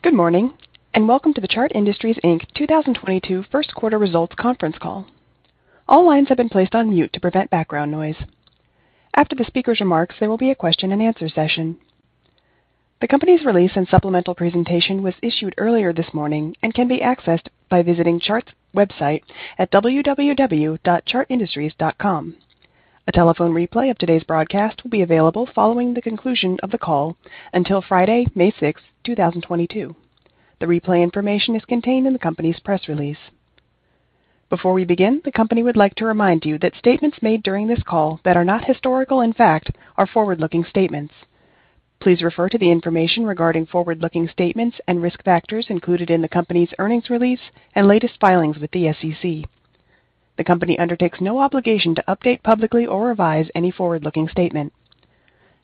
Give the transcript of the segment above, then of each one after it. Good morning, and welcome to the Chart Industries Inc 2022 first quarter results conference call. All lines have been placed on mute to prevent background noise. After the speaker's remarks, there will be a question-and-answer session. The company's release and supplemental presentation was issued earlier this morning and can be accessed by visiting Chart's website at www.chartindustries.com. A telephone replay of today's broadcast will be available following the conclusion of the call until Friday, May 6, 2022. The replay information is contained in the company's press release. Before we begin, the company would like to remind you that statements made during this call that are not historical in fact, are forward-looking statements. Please refer to the information regarding forward-looking statements and risk factors included in the company's earnings release and latest filings with the SEC. The company undertakes no obligation to update publicly or revise any forward-looking statement.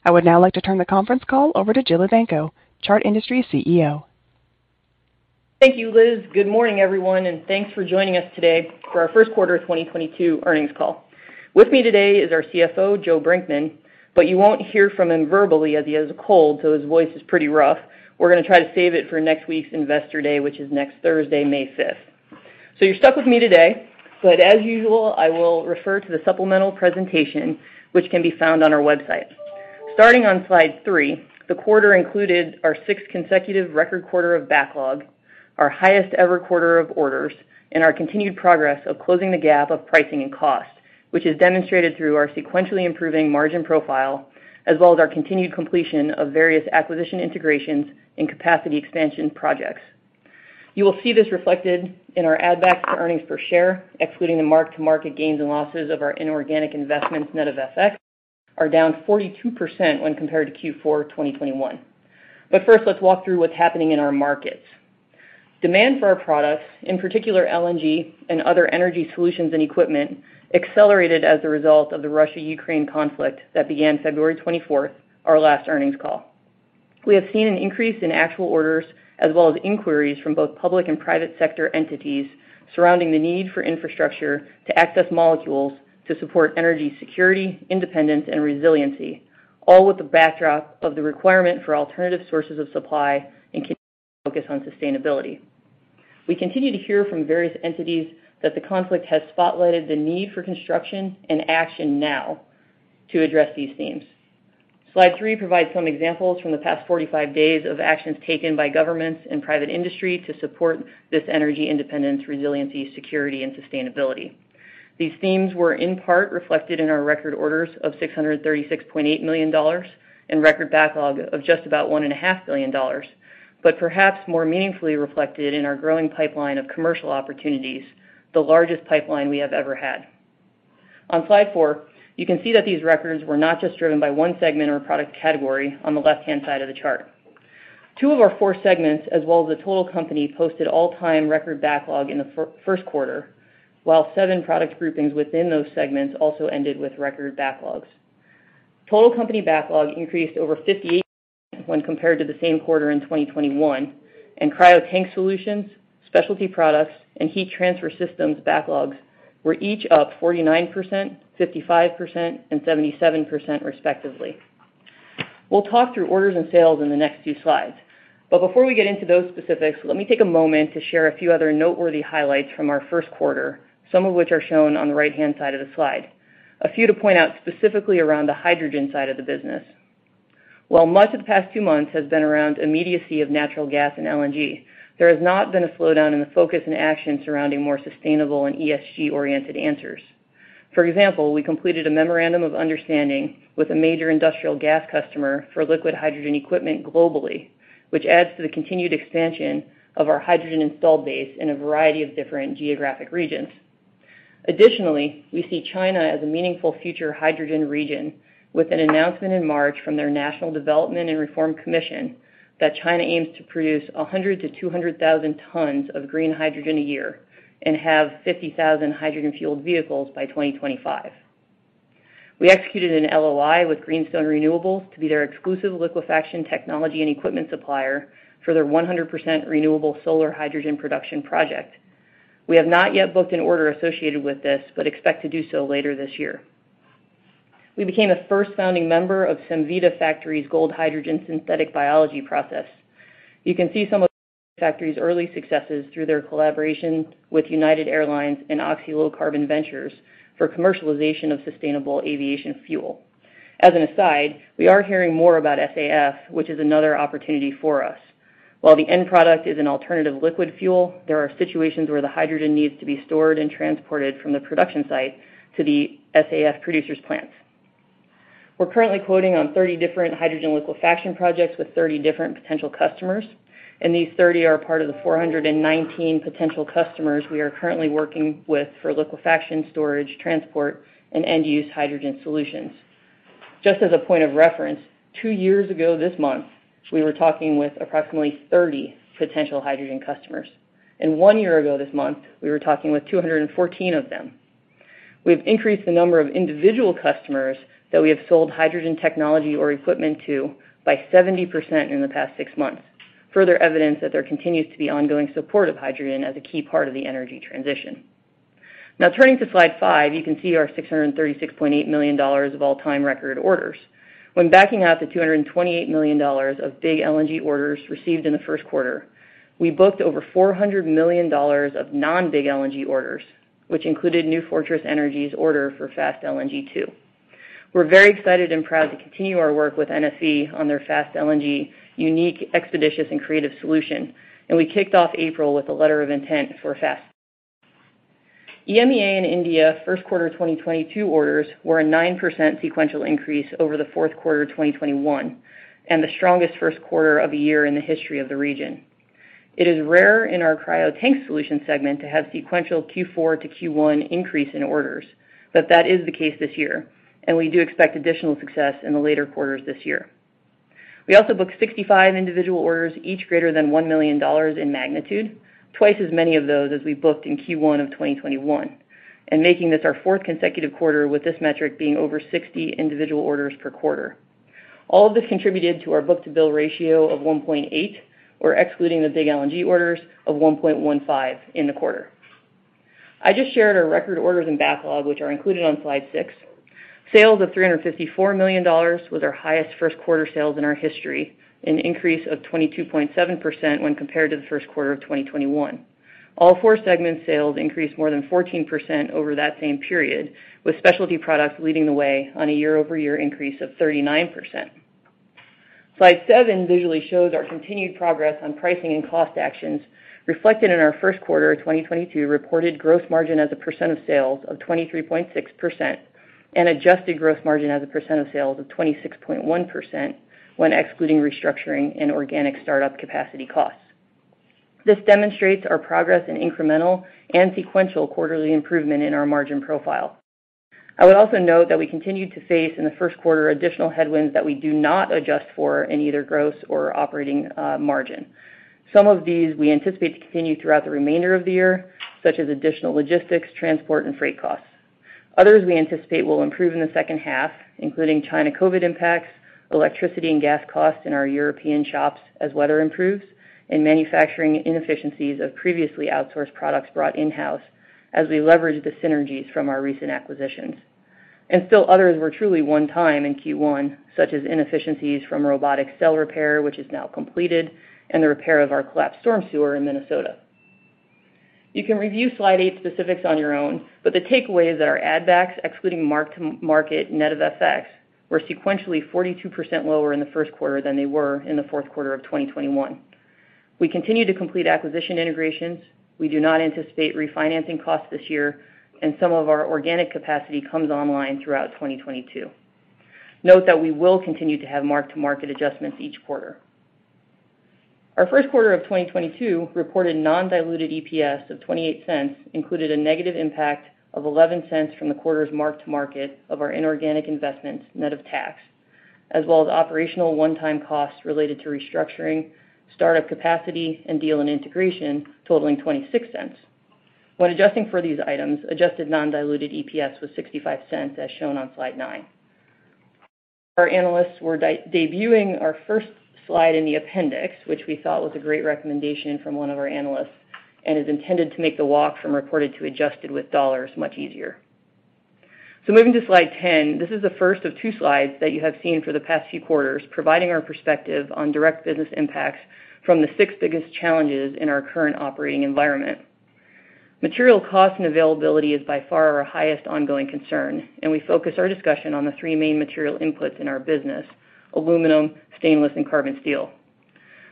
I would now like to turn the conference call over to Jill Evanko, Chart Industries CEO. Thank you, Liz. Good morning, everyone, and thanks for joining us today for our first quarter 2022 earnings call. With me today is our CFO, Joe Brinkman, but you won't hear from him verbally as he has a cold, so his voice is pretty rough. We're gonna try to save it for next week's Investor Day, which is next Thursday, May 5, 2022. You're stuck with me today. As usual, I will refer to the supplemental presentation, which can be found on our website. Starting on slide three, the quarter included our sixth consecutive record quarter of backlog, our highest-ever quarter of orders, and our continued progress of closing the gap of pricing and cost, which is demonstrated through our sequentially improving margin profile, as well as our continued completion of various acquisition integrations and capacity expansion projects. You will see this reflected in our add-back to Earnings Per Share, excluding the mark-to-market gains and losses of our inorganic investments net of FX, are down 42% when compared to Q4 2021. First, let's walk through what's happening in our markets. Demand for our products, in particular LNG and other energy solutions and equipment, accelerated as a result of the Russia-Ukraine conflict that began February 24, our last earnings call. We have seen an increase in actual orders, as well as inquiries from both public and private sector entities surrounding the need for infrastructure to access molecules to support energy security, independence, and resiliency, all with the backdrop of the requirement for alternative sources of supply and continued focus on sustainability. We continue to hear from various entities that the conflict has spotlighted the need for construction and action now to address these themes. Slide three provides some examples from the past 45 days of actions taken by governments and private industry to support this energy independence, resiliency, security, and sustainability. These themes were in part reflected in our record orders of $636.8 million and record backlog of just about $1.5 billion, but perhaps more meaningfully reflected in our growing pipeline of commercial opportunities, the largest pipeline we have ever had. On slide four, you can see that these records were not just driven by one segment or product category on the left-hand side of the chart. Two of our four segments, as well as the total company, posted all-time record backlog in the first quarter, while seven product groupings within those segments also ended with record backlogs. Total company backlog increased over 58% when compared to the same quarter in 2021, and Cryo Tank Solutions, Specialty Products, and Heat Transfer Systems backlogs were each up 49%, 55%, and 77% respectively. We'll talk through orders and sales in the next few slides. Before we get into those specifics, let me take a moment to share a few other noteworthy highlights from our first quarter, some of which are shown on the right-hand side of the slide. A few to point out, specifically around the hydrogen side of the business. While much of the past two months has been around immediacy of natural gas and LNG, there has not been a slowdown in the focus and action surrounding more sustainable and ESG-oriented answers. For example, we completed a memorandum of understanding with a major industrial gas customer for liquid hydrogen equipment globally, which adds to the continued expansion of our hydrogen installed base in a variety of different geographic regions. Additionally, we see China as a meaningful future hydrogen region with an announcement in March from their National Development and Reform Commission that China aims to produce 100-200,000 tons of green hydrogen a year and have 50,000 hydrogen-fueled vehicles by 2025. We executed an LOI with Greenstone Renewables to be their exclusive liquefaction technology and equipment supplier for their 100% renewable solar hydrogen production project. We have not yet booked an order associated with this, but expect to do so later this year. We became a first founding member of Cemvita Factory's Gold Hydrogen synthetic biology process. You can see some of the factory's early successes through their collaboration with United Airlines and Oxy Low Carbon Ventures for commercialization of sustainable aviation fuel. As an aside, we are hearing more about SAF, which is another opportunity for us. While the end product is an alternative liquid fuel, there are situations where the hydrogen needs to be stored and transported from the production site to the SAF producer's plants. We're currently quoting on 30 different hydrogen liquefaction projects with 30 different potential customers, and these 30 are part of the 419 potential customers we are currently working with for liquefaction, storage, transport, and end-use hydrogen solutions. Just as a point of reference, two years ago this month, we were talking with approximately 30 potential hydrogen customers. One year ago this month, we were talking with 214 of them. We've increased the number of individual customers that we have sold hydrogen technology or equipment to by 70% in the past six months, further evidence that there continues to be ongoing support of hydrogen as a key part of the energy transition. Now turning to slide five, you can see our $636.8 million of all-time record orders. When backing out the $228 million of big LNG orders received in the first quarter, we booked over $400 million of non-big LNG orders, which included New Fortress Energy's order for Fast LNG two. We're very excited and proud to continue our work with NFE on their Fast LNG unique, expeditious, and creative solution, and we kicked off April with a letter of intent for Fast. EMEA and India Q1 2022 orders were a 9% sequential increase over Q4 2021, and the strongest first quarter of the year in the history of the region. It is rare in our Cryo Tank Solutions segment to have sequential Q4 to Q1 increase in orders, but that is the case this year, and we do expect additional success in the later quarters this year. We also booked 65 individual orders, each greater than $1 million in magnitude, twice as many of those as we booked in Q1 2021, and making this our fourth consecutive quarter with this metric being over 60 individual orders per quarter. All of this contributed to our book-to-bill ratio of 1.8, or excluding the big LNG orders, of 1.15 in the quarter. I just shared our record orders and backlog, which are included on slide six. Sales of $354 million was our highest first quarter sales in our history, an increase of 22.7% when compared to the first quarter of 2021. All four segment sales increased more than 14% over that same period, with Specialty Products leading the way on a year-over-year increase of 39%. Slide seven visually shows our continued progress on pricing and cost actions reflected in our first quarter 2022 reported gross margin as a percent of sales of 23.6% and adjusted gross margin as a percent of sales of 26.1% when excluding restructuring and organic start-up capacity costs. This demonstrates our progress in incremental and sequential quarterly improvement in our margin profile. I would also note that we continued to face in the first quarter additional headwinds that we do not adjust for in either gross or operating margin. Some of these we anticipate to continue throughout the remainder of the year, such as additional logistics, transport, and freight costs. Others we anticipate will improve in the H2, including China COVID impacts, electricity and gas costs in our European shops as weather improves, and manufacturing inefficiencies of previously outsourced products brought in-house as we leverage the synergies from our recent acquisitions. Still others were truly one-time in Q1, such as inefficiencies from robotic cell repair, which is now completed, and the repair of our collapsed storm sewer in Minnesota. You can review slide eight specifics on your own, but the takeaway is that our add backs, excluding mark-to-market net of FX, were sequentially 42% lower in the first quarter than they were in the fourth quarter of 2021. We continue to complete acquisition integrations. We do not anticipate refinancing costs this year, and some of our organic capacity comes online throughout 2022. Note that we will continue to have mark-to-market adjustments each quarter. Our first quarter of 2022 reported non-diluted EPS of $0.28 included a negative impact of $0.11 from the quarter's mark-to-market of our inorganic investments net of tax, as well as operational one-time costs related to restructuring, start-up capacity, and deal and integration totaling $0.26. When adjusting for these items, adjusted non-diluted EPS was $0.65, as shown on slide nine. Our analysts were debuting our first slide in the appendix, which we thought was a great recommendation from one of our analysts and is intended to make the walk from reported to adjusted with dollars much easier. Moving to slide 10, this is the first of two slides that you have seen for the past few quarters providing our perspective on direct business impacts from the six biggest challenges in our current operating environment. Material cost and availability is by far our highest ongoing concern, and we focus our discussion on the three main material inputs in our business: aluminum, stainless, and carbon steel.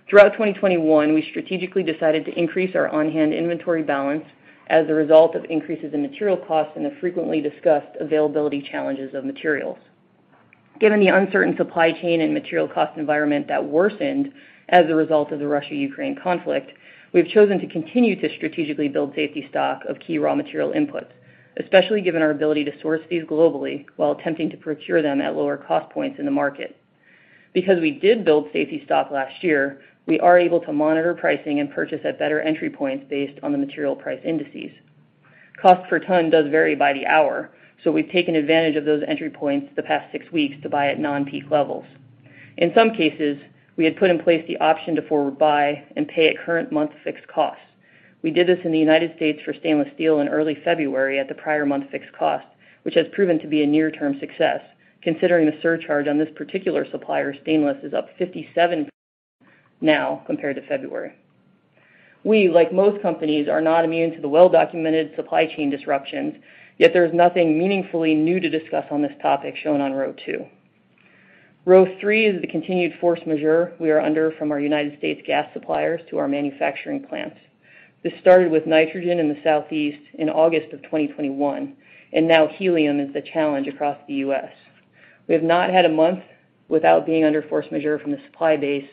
Throughout 2021, we strategically decided to increase our on-hand inventory balance as a result of increases in material costs and the frequently discussed availability challenges of materials. Given the uncertain supply chain and material cost environment that worsened as a result of the Russia-Ukraine conflict, we've chosen to continue to strategically build safety stock of key raw material inputs, especially given our ability to source these globally while attempting to procure them at lower cost points in the market. Because we did build safety stock last year, we are able to monitor pricing and purchase at better entry points based on the material price indices. Cost per ton does vary by the hour, so we've taken advantage of those entry points the past six weeks to buy at non-peak levels. In some cases, we had put in place the option to forward buy and pay at current month fixed costs. We did this in the United States for stainless steel in early February at the prior month fixed cost, which has proven to be a near-term success, considering the surcharge on this particular supplier's stainless is up 57% now compared to February. We, like most companies, are not immune to the well-documented supply chain disruptions, yet there is nothing meaningfully new to discuss on this topic shown on row two. Row three is the continued force majeure we are under from our United States gas suppliers to our manufacturing plants. This started with nitrogen in the southeast in August of 2021, and now helium is the challenge across the U.S. We have not had a month without being under force majeure from the supply base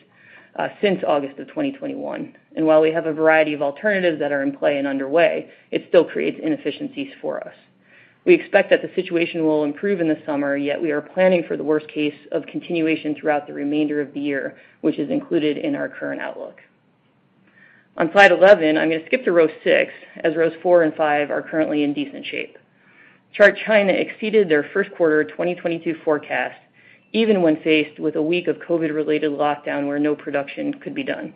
since August of 2021, and while we have a variety of alternatives that are in play and underway, it still creates inefficiencies for us. We expect that the situation will improve in the summer, yet we are planning for the worst case of continuation throughout the remainder of the year, which is included in our current outlook. On slide 11, I'm gonna skip to row six as rows four and five are currently in decent shape. Chart China exceeded their first quarter 2022 forecast even when faced with a week of COVID-related lockdown where no production could be done.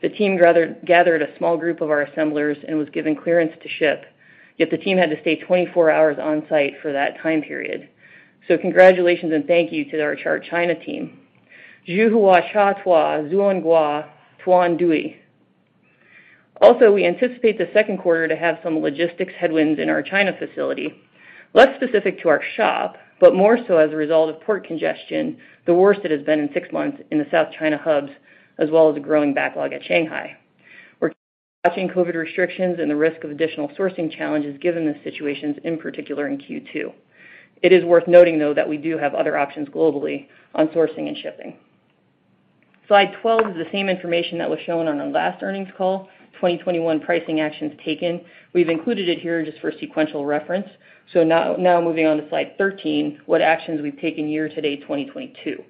The team gathered a small group of our assemblers and was given clearance to ship, yet the team had to stay 24 hours on site for that time period. Congratulations and thank you to our Chart China team. Also, we anticipate the second quarter to have some logistics headwinds in our China facility. Less specific to our shop, but more so as a result of port congestion, the worst it has been in six months in the South China hubs, as well as a growing backlog at Shanghai. We're watching COVID restrictions and the risk of additional sourcing challenges given the situations, in particular in Q2. It is worth noting, though, that we do have other options globally on sourcing and shipping. Slide 12 is the same information that was shown on our last earnings call. 2021 pricing actions taken. We've included it here just for sequential reference. Now moving on to slide 13, what actions we've taken year to date, 2022.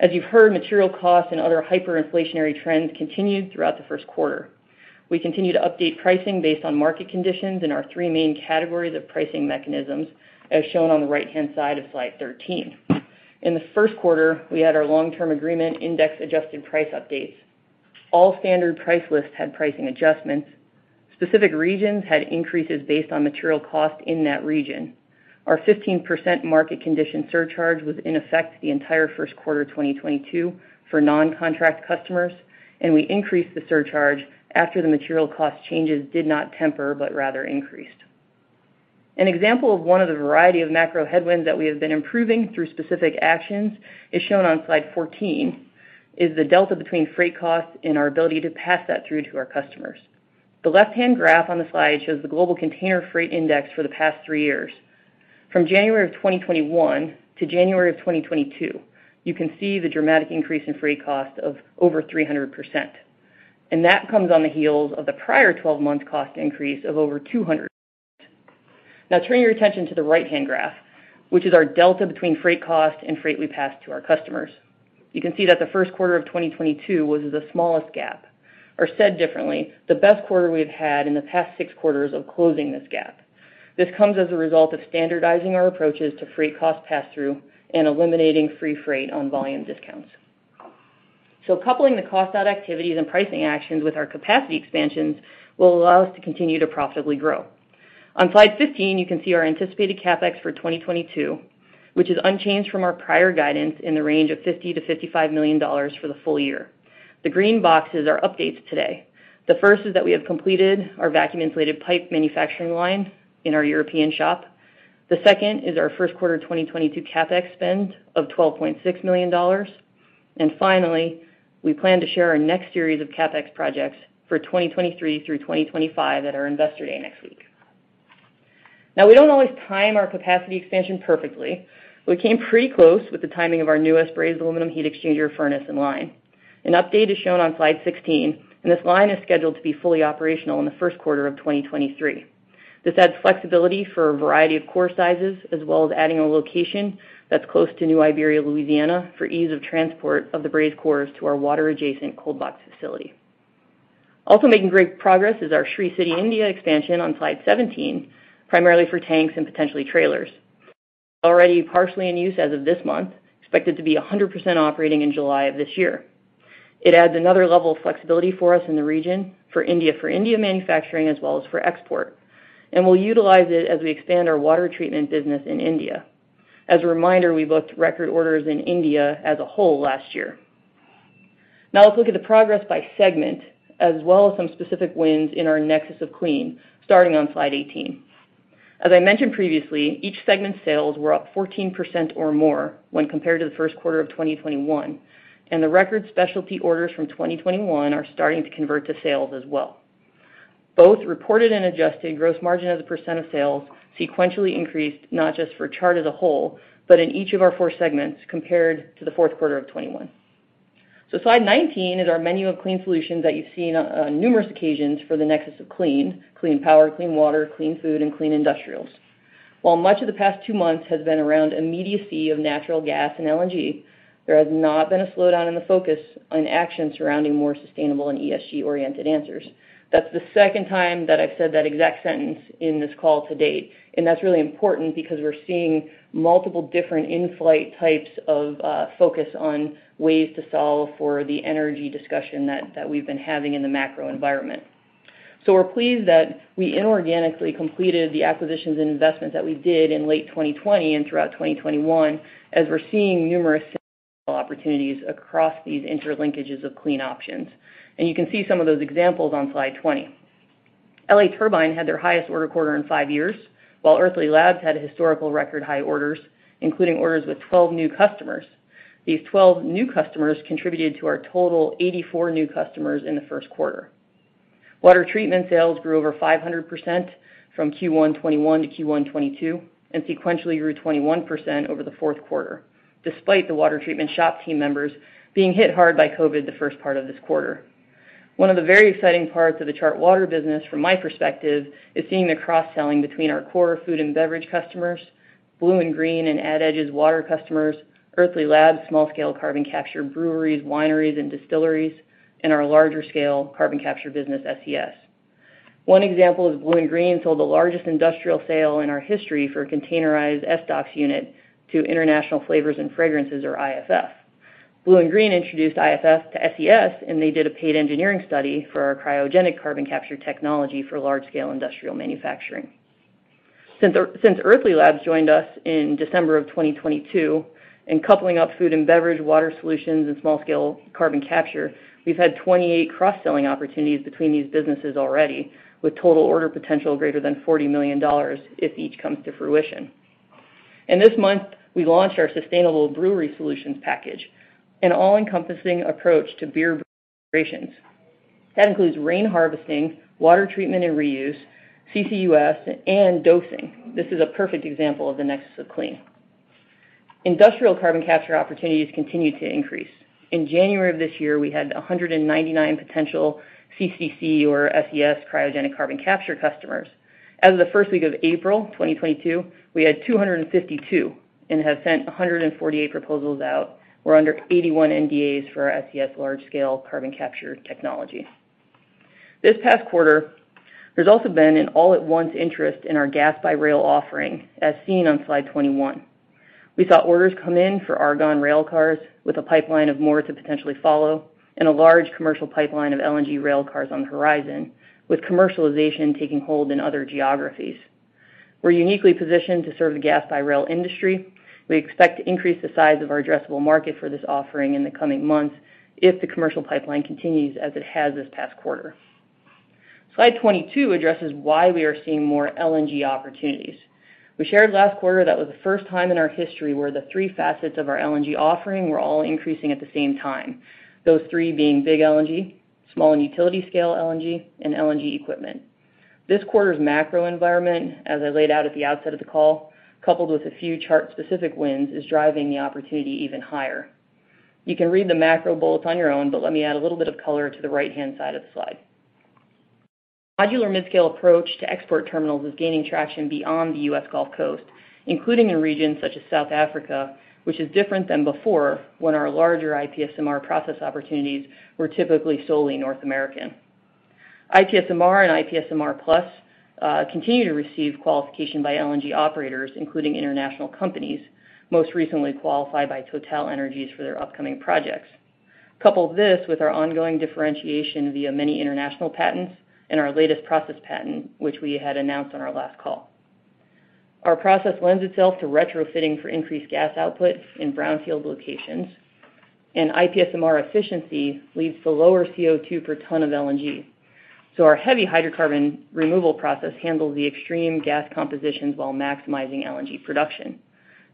As you've heard, material costs and other hyperinflationary trends continued throughout the first quarter. We continue to update pricing based on market conditions in our three main categories of pricing mechanisms, as shown on the right-hand side of slide 13. In the first quarter, we had our long term agreement index adjusted price updates. All standard price lists had pricing adjustments. Specific regions had increases based on material cost in that region. Our 15% market condition surcharge was in effect the entire first quarter 2022 for non-contract customers, and we increased the surcharge after the material cost changes did not temper but rather increased. An example of one of the variety of macro headwinds that we have been improving through specific actions is shown on slide 14, the delta between freight costs and our ability to pass that through to our customers. The left-hand graph on the slide shows the global container freight index for the past three years. From January of 2021 to January of 2022, you can see the dramatic increase in freight cost of over 300%, and that comes on the heels of the prior 12-month cost increase of over 200%. Now turn your attention to the right-hand graph, which is our delta between freight cost and freight we pass to our customers. You can see that the first quarter of 2022 was the smallest gap, or said differently, the best quarter we've had in the past six quarters of closing this gap. This comes as a result of standardizing our approaches to freight cost passthrough and eliminating free freight on volume discounts. Coupling the cost out activities and pricing actions with our capacity expansions will allow us to continue to profitably grow. On slide 15, you can see our anticipated CapEx for 2022, which is unchanged from our prior guidance in the range of $50 million-$55 million for the full year. The green boxes are updates today. The first is that we have completed our vacuum insulated pipe manufacturing line in our European shop. The second is our first quarter 2022 CapEx spend of $12.6 million. Finally, we plan to share our next series of CapEx projects for 2023 through 2025 at our Investor Day next week. Now, we don't always time our capacity expansion perfectly. We came pretty close with the timing of our newest brazed aluminum heat exchanger furnace in line. An update is shown on slide 16, and this line is scheduled to be fully operational in the first quarter of 2023. This adds flexibility for a variety of core sizes, as well as adding a location that's close to New Iberia, Louisiana, for ease of transport of the brazed cores to our water adjacent cold box facility. Also making great progress is our Sri City, India expansion on slide 17, primarily for tanks and potentially trailers. Already partially in use as of this month, expected to be 100% operating in July of this year. It adds another level of flexibility for us in the region for India, for India manufacturing as well as for export, and we'll utilize it as we expand our water treatment business in India. As a reminder, we booked record orders in India as a whole last year. Now let's look at the progress by segment, as well as some specific wins in our Nexus of Clean, starting on slide 18. As I mentioned previously, each segment sales were up 14% or more when compared to the first quarter of 2021, and the record specialty orders from 2021 are starting to convert to sales as well. Both reported and adjusted gross margin as a % of sales sequentially increased, not just for Chart as a whole, but in each of our four segments compared to the fourth quarter of 2021. Slide 19 is our menu of clean solutions that you've seen on numerous occasions for the Nexus of Clean. Clean power, clean water, clean food, and clean industrials. While much of the past two months has been around immediacy of natural gas and LNG, there has not been a slowdown in the focus on action surrounding more sustainable and ESG-oriented answers. That's the second time that I've said that exact sentence in this call to date, and that's really important because we're seeing multiple different in-flight types of focus on ways to solve for the energy discussion that we've been having in the macro environment. We're pleased that we inorganically completed the acquisitions and investments that we did in late 2020 and throughout 2021 as we're seeing numerous opportunities across these interlinkages of clean options. You can see some of those examples on slide 20. L.A. Turbine had their highest order quarter in five years, while Earthly Labs had historical record high orders, including orders with 12 new customers. These 12 new customers contributed to our total 84 new customers in the first quarter. Water treatment sales grew over 500% from Q1 2021 to Q1 2022, and sequentially grew 21% over the fourth quarter, despite the water treatment shop team members being hit hard by COVID the first part of this quarter. One of the very exciting parts of the Chart water business from my perspective is seeing the cross-selling between our core food and beverage customers, BlueInGreen and AdEdge's water customers, Earthly Labs, small scale carbon capture breweries, wineries, and distilleries, and our larger scale carbon capture business, SES. One example is BlueInGreen sold the largest industrial sale in our history for a containerized SDOX unit to International Flavors and Fragrances, or IFF. BlueInGreen introduced IFF to SES, and they did a paid engineering study for our cryogenic carbon capture technology for large-scale industrial manufacturing. Since Earthly Labs joined us in December 2022 in coupling up food and beverage, water solutions, and small scale carbon capture, we've had 28 cross-selling opportunities between these businesses already, with total order potential greater than $40 million if each comes to fruition. This month, we launched our Sustainable Brewery Solutions package, an all-encompassing approach to beer operations. That includes rain harvesting, water treatment and reuse, CCUS, and dosing. This is a perfect example of the Nexus of Clean. Industrial carbon capture opportunities continue to increase. In January of this year, we had 199 potential CCC or SES cryogenic carbon capture customers. As of the first week of April 2022, we had 252 and have sent 148 proposals out. We're under 81 NDAs for our SES large-scale carbon capture technology. This past quarter, there's also been an all at once interest in our gas by rail offering, as seen on slide 21. We saw orders come in for argon railcars with a pipeline of more to potentially follow and a large commercial pipeline of LNG railcars on the horizon, with commercialization taking hold in other geographies. We're uniquely positioned to serve the gas by rail industry. We expect to increase the size of our addressable market for this offering in the coming months if the commercial pipeline continues as it has this past quarter. Slide 22 addresses why we are seeing more LNG opportunities. We shared last quarter that was the first time in our history where the three facets of our LNG offering were all increasing at the same time. Those three being big LNG, small and utility scale LNG, and LNG equipment. This quarter's macro environment, as I laid out at the outset of the call, coupled with a few Chart-specific wins, is driving the opportunity even higher. You can read the macro bullets on your own, but let me add a little bit of color to the right-hand side of the slide. Modular mid-scale approach to export terminals is gaining traction beyond the U.S. Gulf Coast, including in regions such as South Africa, which is different than before when our larger IPSMR process opportunities were typically solely North American. IPSMR and IPSMR Plus continue to receive qualification by LNG operators, including international companies, most recently qualified by TotalEnergies for their upcoming projects. Couple this with our ongoing differentiation via many international patents and our latest process patent, which we had announced on our last call. Our process lends itself to retrofitting for increased gas output in brownfield locations, and IPSMR efficiency leads to lower CO2 per ton of LNG. Our heavy hydrocarbon removal process handles the extreme gas compositions while maximizing LNG production.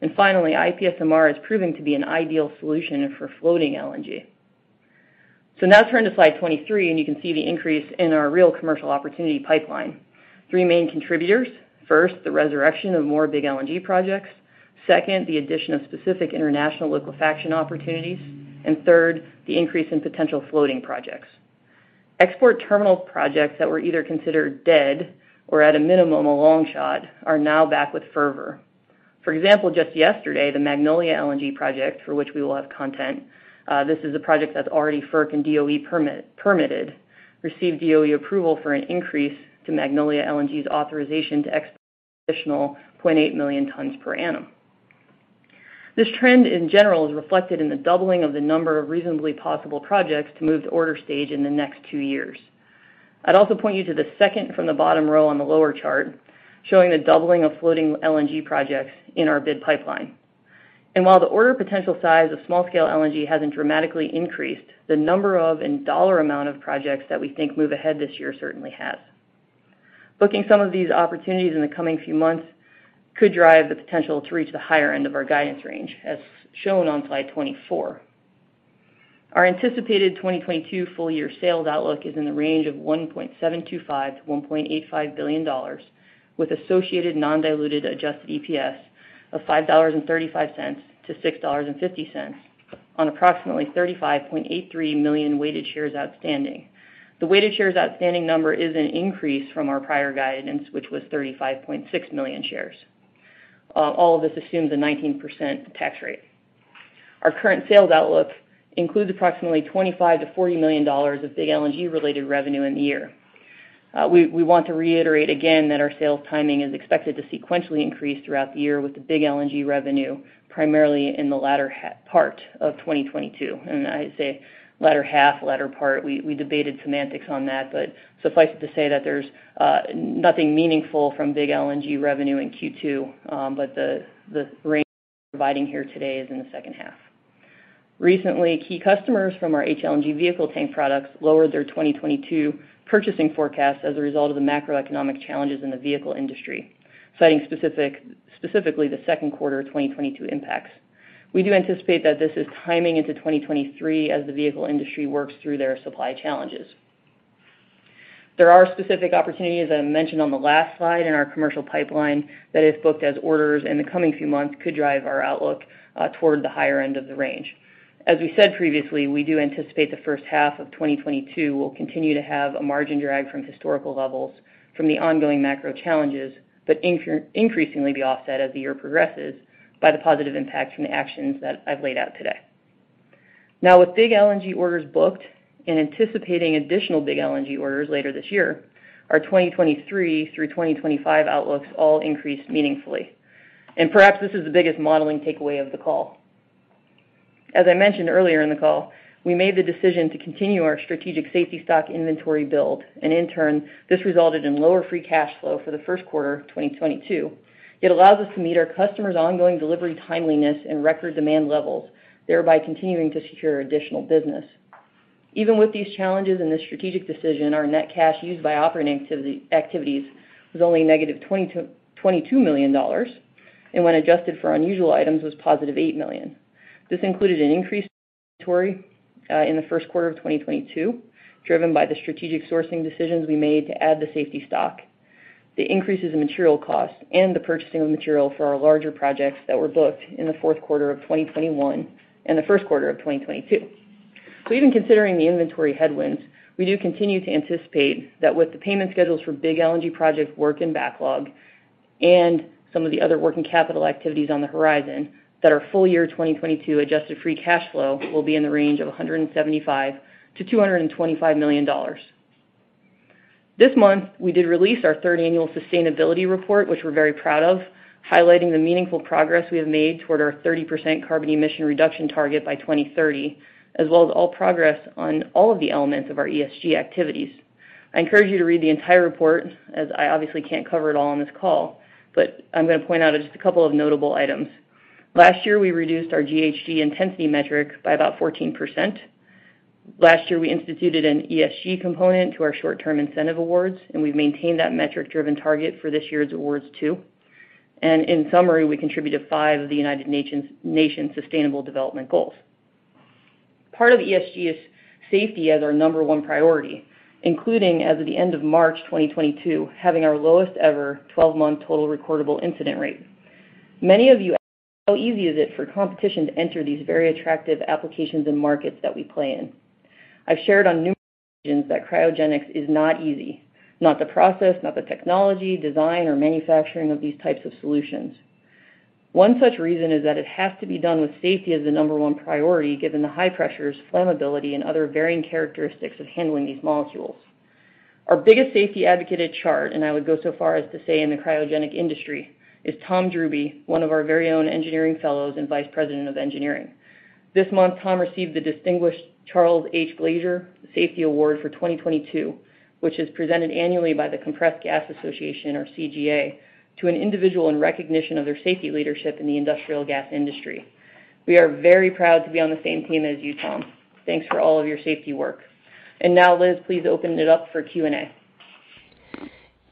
IPSMR is proving to be an ideal solution for floating LNG. Now turn to slide 23 and you can see the increase in our real commercial opportunity pipeline. Three main contributors. First, the resurrection of more big LNG projects. Second, the addition of specific international liquefaction opportunities. Third, the increase in potential floating projects. Export terminal projects that were either considered dead or at a minimum, a long shot, are now back with fervor. For example, just yesterday, the Magnolia LNG project, for which we will have content, this is a project that's already FERC and DOE permitted, received DOE approval for an increase to Magnolia LNG's authorization to export additional 0.8 million tons per annum. This trend, in general, is reflected in the doubling of the number of reasonably possible projects to move to order stage in the next two years. I'd also point you to the second from the bottom row on the lower chart, showing the doubling of floating LNG projects in our bid pipeline. While the order potential size of small-scale LNG hasn't dramatically increased, the number of and dollar amount of projects that we think move ahead this year certainly has. Booking some of these opportunities in the coming few months could drive the potential to reach the higher end of our guidance range, as shown on slide 24. Our anticipated 2022 full year sales outlook is in the range of $1.725 billion-$1.85 billion, with associated non-diluted Adjusted EPS of $5.35-$6.50 on approximately 35.83 million weighted shares outstanding. The weighted shares outstanding number is an increase from our prior guidance, which was 35.6 million shares. All of this assumes a 19% tax rate. Our current sales outlook includes approximately $25 million-$40 million of big LNG-related revenue in the year. We want to reiterate again that our sales timing is expected to sequentially increase throughout the year with the big LNG revenue, primarily in the latter part of 2022. I say latter half, latter part. We debated semantics on that, but suffice it to say that there's nothing meaningful from big LNG revenue in Q2, but the range we're providing here today is in the H2. Recently, key customers from our HLNG vehicle tank products lowered their 2022 purchasing forecast as a result of the macroeconomic challenges in the vehicle industry, citing specifically the second quarter of 2022 impacts. We do anticipate that this is timing into 2023 as the vehicle industry works through their supply challenges. There are specific opportunities, as I mentioned on the last slide, in our commercial pipeline that, if booked as orders in the coming few months, could drive our outlook toward the higher end of the range. As we said previously, we do anticipate the H1 of 2022 will continue to have a margin drag from historical levels from the ongoing macro challenges, but increasingly be offset as the year progresses by the positive impact from the actions that I've laid out today. Now, with big LNG orders booked and anticipating additional big LNG orders later this year, our 2023 through 2025 outlooks all increased meaningfully. Perhaps this is the biggest modeling takeaway of the call. As I mentioned earlier in the call, we made the decision to continue our strategic safety stock inventory build, and in turn, this resulted in lower free cash flow for the first quarter of 2022. It allows us to meet our customers' ongoing delivery timeliness and record demand levels, thereby continuing to secure additional business. Even with these challenges in the strategic decision, our net cash used by operating activities was only -$22 million, and when adjusted for unusual items, was +$8 million. This included an increase in inventory in the first quarter of 2022, driven by the strategic sourcing decisions we made to add the safety stock, the increases in material cost, and the purchasing of material for our larger projects that were booked in the fourth quarter of 2021 and the first quarter of 2022. Even considering the inventory headwinds, we do continue to anticipate that with the payment schedules for big LNG projects work in backlog and some of the other working capital activities on the horizon, that our full year 2022 adjusted free cash flow will be in the range of $175 million-$225 million. This month, we did release our third annual sustainability report, which we're very proud of, highlighting the meaningful progress we have made toward our 30% carbon emission reduction target by 2030, as well as all progress on all of the elements of our ESG activities. I encourage you to read the entire report, as I obviously can't cover it all on this call, but I'm gonna point out just a couple of notable items. Last year, we reduced our GHG intensity metric by about 14%. Last year, we instituted an ESG component to our short-term incentive awards, and we've maintained that metric-driven target for this year's awards, too. In summary, we contribute to five of the United Nations' Sustainable Development Goals. Part of ESG is safety as our number one priority, including, as of the end of March 2022, having our lowest ever 12-month total recordable incident rate. Many of you ask how easy is it for competition to enter these very attractive applications and markets that we play in? I've shared on numerous occasions that cryogenics is not easy, not the process, not the technology, design, or manufacturing of these types of solutions. One such reason is that it has to be done with safety as the number one priority, given the high pressures, flammability, and other varying characteristics of handling these molecules. Our biggest safety advocate at Chart, and I would go so far as to say in the cryogenic industry, is Tom Drube, one of our very own engineering fellows and vice president of engineering. This month, Tom received the distinguished Charles H. Glasier Safety Award for 2022, which is presented annually by the Compressed Gas Association, or CGA, to an individual in recognition of their safety leadership in the industrial gas industry. We are very proud to be on the same team as you, Tom. Thanks for all of your safety work. Now, Liz, please open it up for Q&A.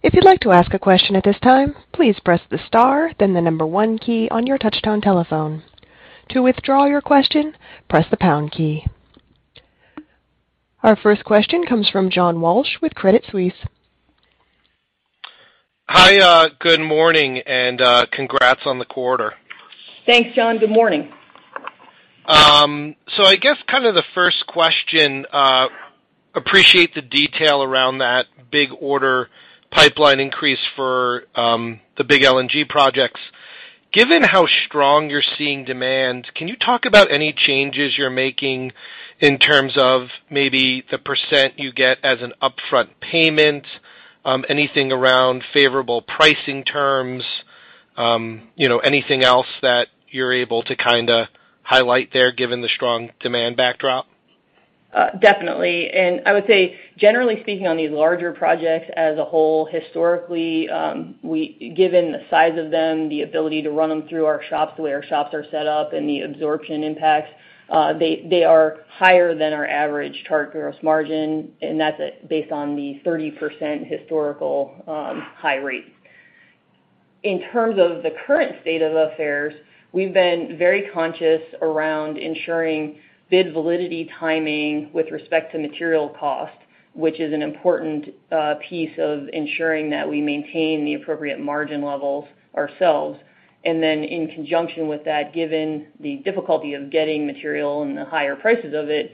If you'd like to ask a question at this time, please press the star, then the number one key on your touchtone telephone. To withdraw your question, press the pound key. Our first question comes from John Walsh with Credit Suisse. Hi, good morning, and congrats on the quarter. Thanks, John. Good morning. I guess kind of the first question, appreciate the detail around that big order pipeline increase for the big LNG projects. Given how strong you're seeing demand, can you talk about any changes you're making in terms of maybe the percent you get as an upfront payment, anything around favorable pricing terms, you know, anything else that you're able to kinda highlight there given the strong demand backdrop? Definitely. I would say, generally speaking on these larger projects as a whole, historically, given the size of them, the ability to run them through our shops, the way our shops are set up, and the absorption impacts, they are higher than our average target gross margin, and that's based on the 30% historical high rates. In terms of the current state of affairs, we've been very conscious around ensuring bid validity timing with respect to material cost, which is an important piece of ensuring that we maintain the appropriate margin levels ourselves. In conjunction with that, given the difficulty of getting material and the higher prices of it,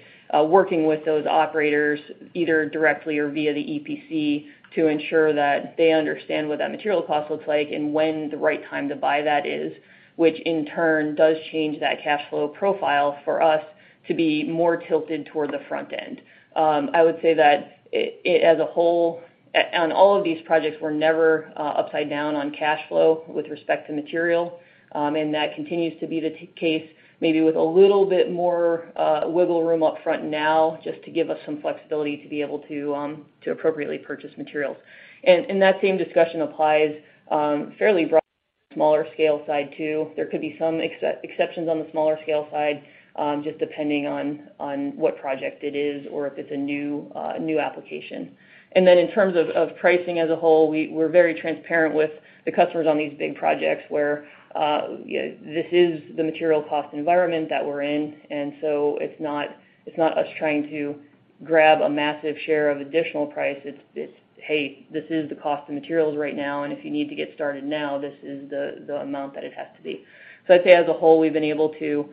working with those operators either directly or via the EPC to ensure that they understand what that material cost looks like and when the right time to buy that is, which in turn does change that cash flow profile for us to be more tilted toward the front end. I would say that it as a whole, on all of these projects, we're never upside down on cash flow with respect to material, and that continues to be the case maybe with a little bit more wiggle room up front now just to give us some flexibility to be able to appropriately purchase materials. That same discussion applies fairly broad to the smaller scale side too. There could be some exceptions on the smaller scale side, just depending on what project it is or if it's a new application. Then in terms of pricing as a whole, we're very transparent with the customers on these big projects where this is the material cost environment that we're in. It's not us trying to grab a massive share of additional price. It's hey, this is the cost of materials right now, and if you need to get started now, this is the amount that it has to be. I'd say as a whole, we've been able to,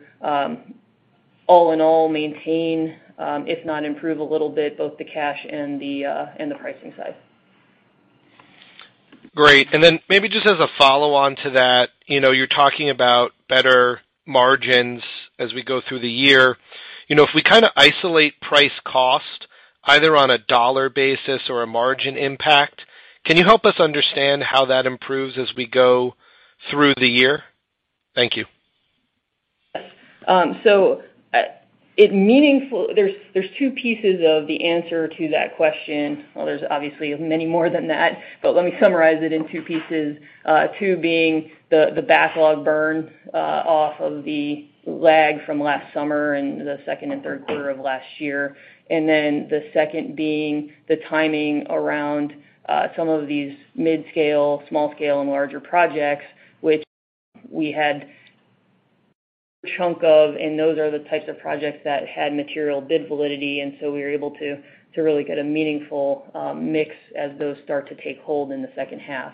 all in all maintain, if not improve a little bit, both the cash and the pricing side. Great. Maybe just as a follow-on to that, you know, you're talking about better margins as we go through the year. You know, if we kind of isolate price cost, either on a dollar basis or a margin impact, can you help us understand how that improves as we go through the year? Thank you. There's two pieces of the answer to that question. Well, there's obviously many more than that, but let me summarize it in two pieces, two being the backlog burn off of the lag from last summer and the second and third quarter of last year. Then the second being the timing around some of these mid-scale, small scale, and larger projects, which we had chunk of, and those are the types of projects that had material bid validity. We were able to really get a meaningful mix as those start to take hold in the H2.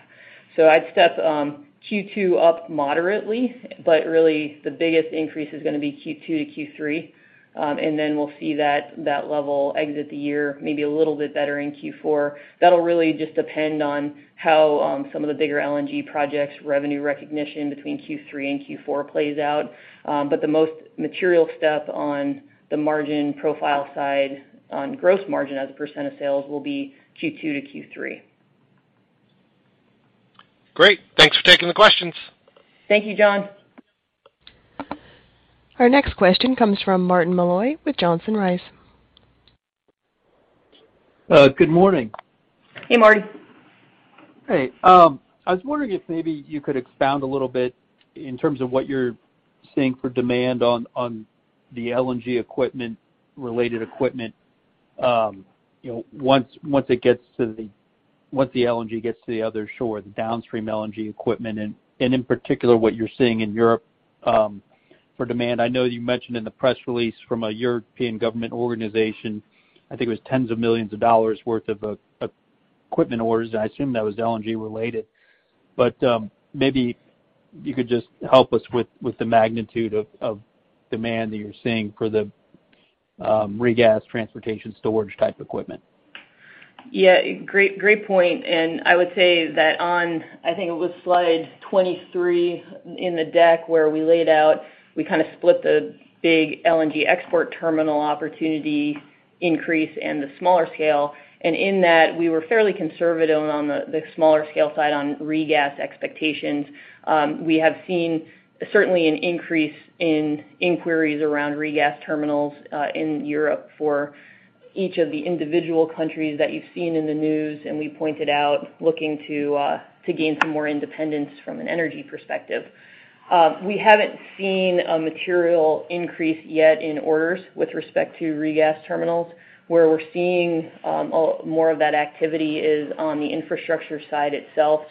I'd step Q2 up moderately, but really the biggest increase is gonna be Q2-Q3. We'll see that level exit the year, maybe a little bit better in Q4. That'll really just depend on how some of the bigger LNG projects revenue recognition between Q3 and Q4 plays out. The most material step on the margin profile side on gross margin as a % of sales will be Q2-Q3. Great. Thanks for taking the questions. Thank you, John. Our next question comes from Martin Malloy with Johnson Rice. Good morning. Hey, Martin. Hey. I was wondering if maybe you could expound a little bit in terms of what you're seeing for demand on the LNG equipment, related equipment, you know, once the LNG gets to the other shore, the downstream LNG equipment, and in particular, what you're seeing in Europe for demand. I know you mentioned in the press release from a European government organization, I think it was tens of millions of dollars worth of equipment orders, and I assume that was LNG-related. Maybe you could just help us with the magnitude of demand that you're seeing for the regas transportation storage type equipment. Yeah. Great, great point. I would say that on, I think it was slide 23 in the deck where we laid out, we kind of split the big LNG export terminal opportunity increase and the smaller scale. In that, we were fairly conservative on the smaller scale side on regas expectations. We have seen certainly an increase in inquiries around regas terminals in Europe for each of the individual countries that you've seen in the news, and we pointed out looking to gain some more independence from an energy perspective. We haven't seen a material increase yet in orders with respect to regas terminals. Where we're seeing more of that activity is on the infrastructure side itself.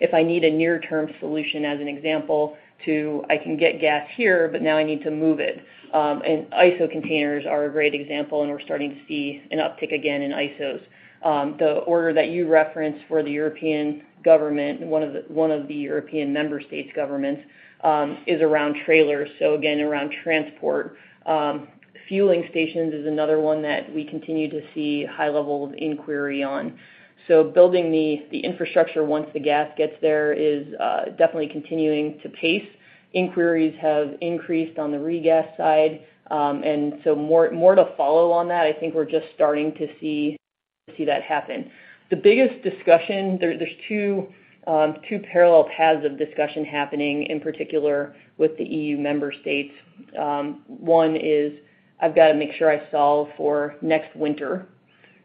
If I need a near-term solution, as an example, to, I can get gas here, but now I need to move it. ISO containers are a great example, and we're starting to see an uptick again in ISOs. The order that you referenced for the European government, one of the European member states governments, is around trailers, so again, around transport. Fueling stations is another one that we continue to see high levels of inquiry on. Building the infrastructure once the gas gets there is definitely continuing to pace. Inquiries have increased on the regas side. More to follow on that. I think we're just starting to see that happen. The biggest discussion, there's two parallel paths of discussion happening, in particular with the EU member states. One is, I've got to make sure I solve for next winter,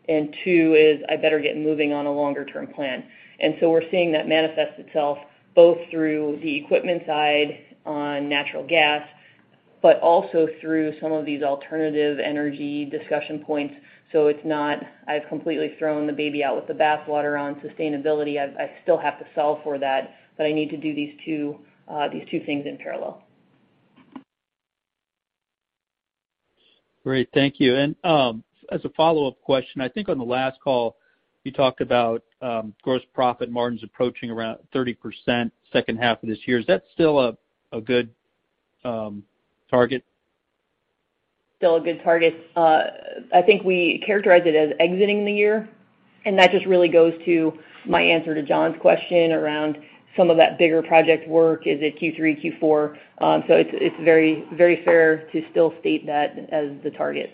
and two is, I better get moving on a longer-term plan. We're seeing that manifest itself both through the equipment side on natural gas, but also through some of these alternative energy discussion points. It's not, I've completely thrown the baby out with the bathwater on sustainability. I still have to solve for that, but I need to do these two things in parallel. Great. Thank you. As a follow-up question, I think on the last call, you talked about gross profit margins approaching around 30% H2 of this year. Is that still a good target? Still a good target. I think we characterize it as exiting the year, and that just really goes to my answer to John's question around some of that bigger project work, is it Q3, Q4? It's very, very fair to still state that as the target.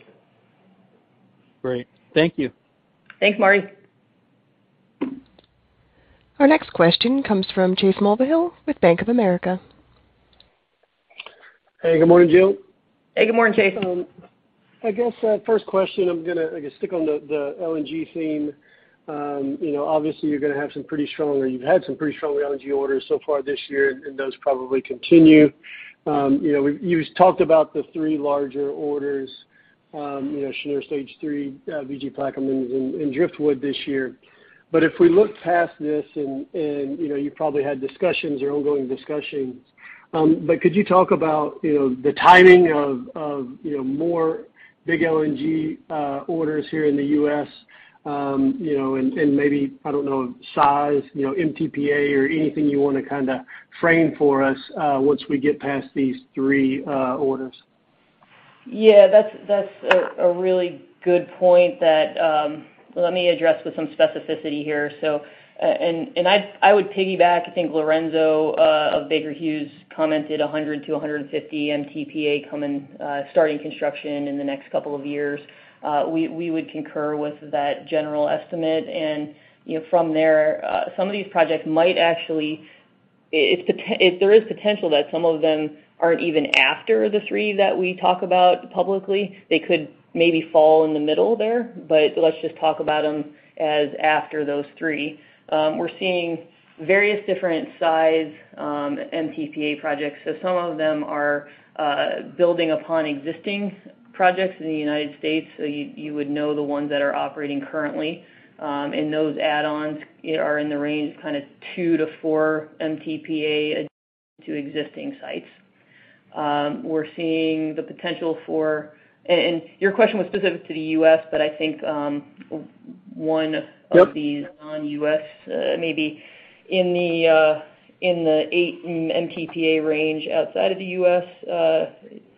Great. Thank you. Thanks, Mart. Our next question comes from Chase Mulvehill with Bank of America. Hey, good morning, Jill. Hey, good morning, Chase. I guess first question, I'm gonna I guess stick on the LNG theme. You know, obviously, you're gonna have some pretty strong or you've had some pretty strong LNG orders so far this year, and those probably continue. You know, you talked about the three larger orders, you know, Cheniere Stage three, Venture Global Plaquemines, and Driftwood this year. If we look past this and you know, you probably had discussions or ongoing discussions, but could you talk about you know, the timing of you know, more big LNG orders here in the U.S., you know, and maybe, I don't know, size, you know, MTPA or anything you wanna kinda frame for us, once we get past these three orders. Yeah, that's a really good point that let me address with some specificity here. I would piggyback. I think Lorenzo of Baker Hughes commented 100-150 MTPA coming starting construction in the next couple of years. We would concur with that general estimate. You know, from there, some of these projects might actually. If there is potential that some of them aren't even after the three that we talk about publicly, they could maybe fall in the middle there. Let's just talk about them as after those three. We're seeing various different size MTPA projects. Some of them are building upon existing projects in the United States. You would know the ones that are operating currently. Those add-ons, you know, are in the range of kind of two-four MTPA to existing sites. Your question was specific to the U.S., but I think, one of- Yep These non-U.S., maybe in the, in the eight MTPA range outside of the U.S.,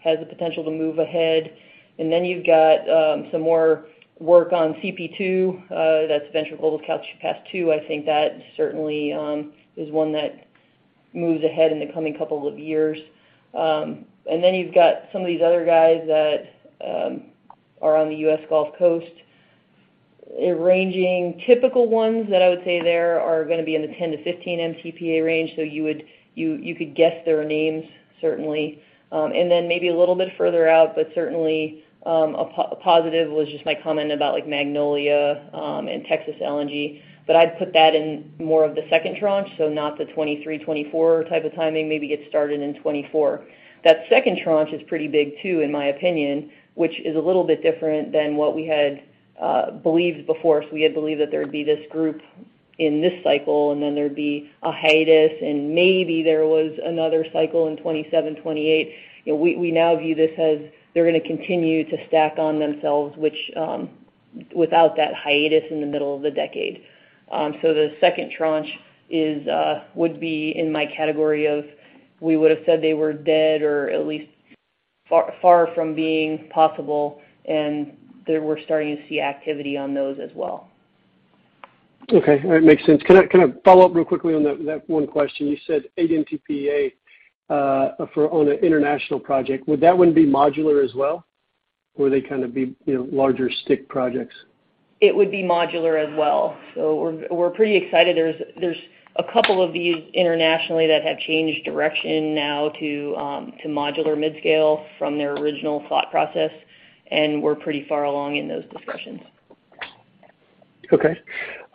has the potential to move ahead. You've got some more work on CP2, that's Venture Global Calcasieu Pass Two. I think that certainly is one that moves ahead in the coming couple of years. You've got some of these other guys that are on the U.S. Gulf Coast, ranging. Typical ones that I would say there are gonna be in the 10-15 MTPA range, so you could guess their names certainly. Maybe a little bit further out, but certainly, a positive was just my comment about, like, Magnolia, and Texas LNG. I'd put that in more of the second tranche, so not the 2023, 2024 type of timing, maybe get started in 2024. That second tranche is pretty big too, in my opinion, which is a little bit different than what we had believed before. We had believed that there would be this group in this cycle, and then there'd be a hiatus, and maybe there was another cycle in 2027, 2028. You know, we now view this as they're gonna continue to stack on themselves, which without that hiatus in the middle of the decade. The second tranche is would be in my category of, we would've said they were dead or at least far, far from being possible, and there we're starting to see activity on those as well. Okay. All right, makes sense. Can I follow up real quickly on that one question? You said 8 MTPA for an international project. Would that one be modular as well, or would they kind of be, you know, larger stick projects? It would be modular as well. We're pretty excited. There's a couple of these internationally that have changed direction now to modular mid-scale from their original thought process, and we're pretty far along in those discussions. Okay,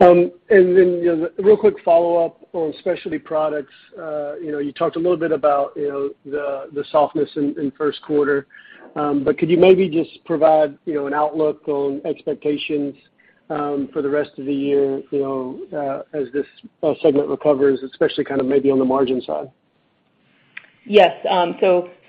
you know, real quick follow-up on Specialty Products. You know, you talked a little bit about, you know, the softness in first quarter. Could you maybe just provide, you know, an outlook on expectations for the rest of the year, you know, as this segment recovers, especially kind of maybe on the margin side? Yes.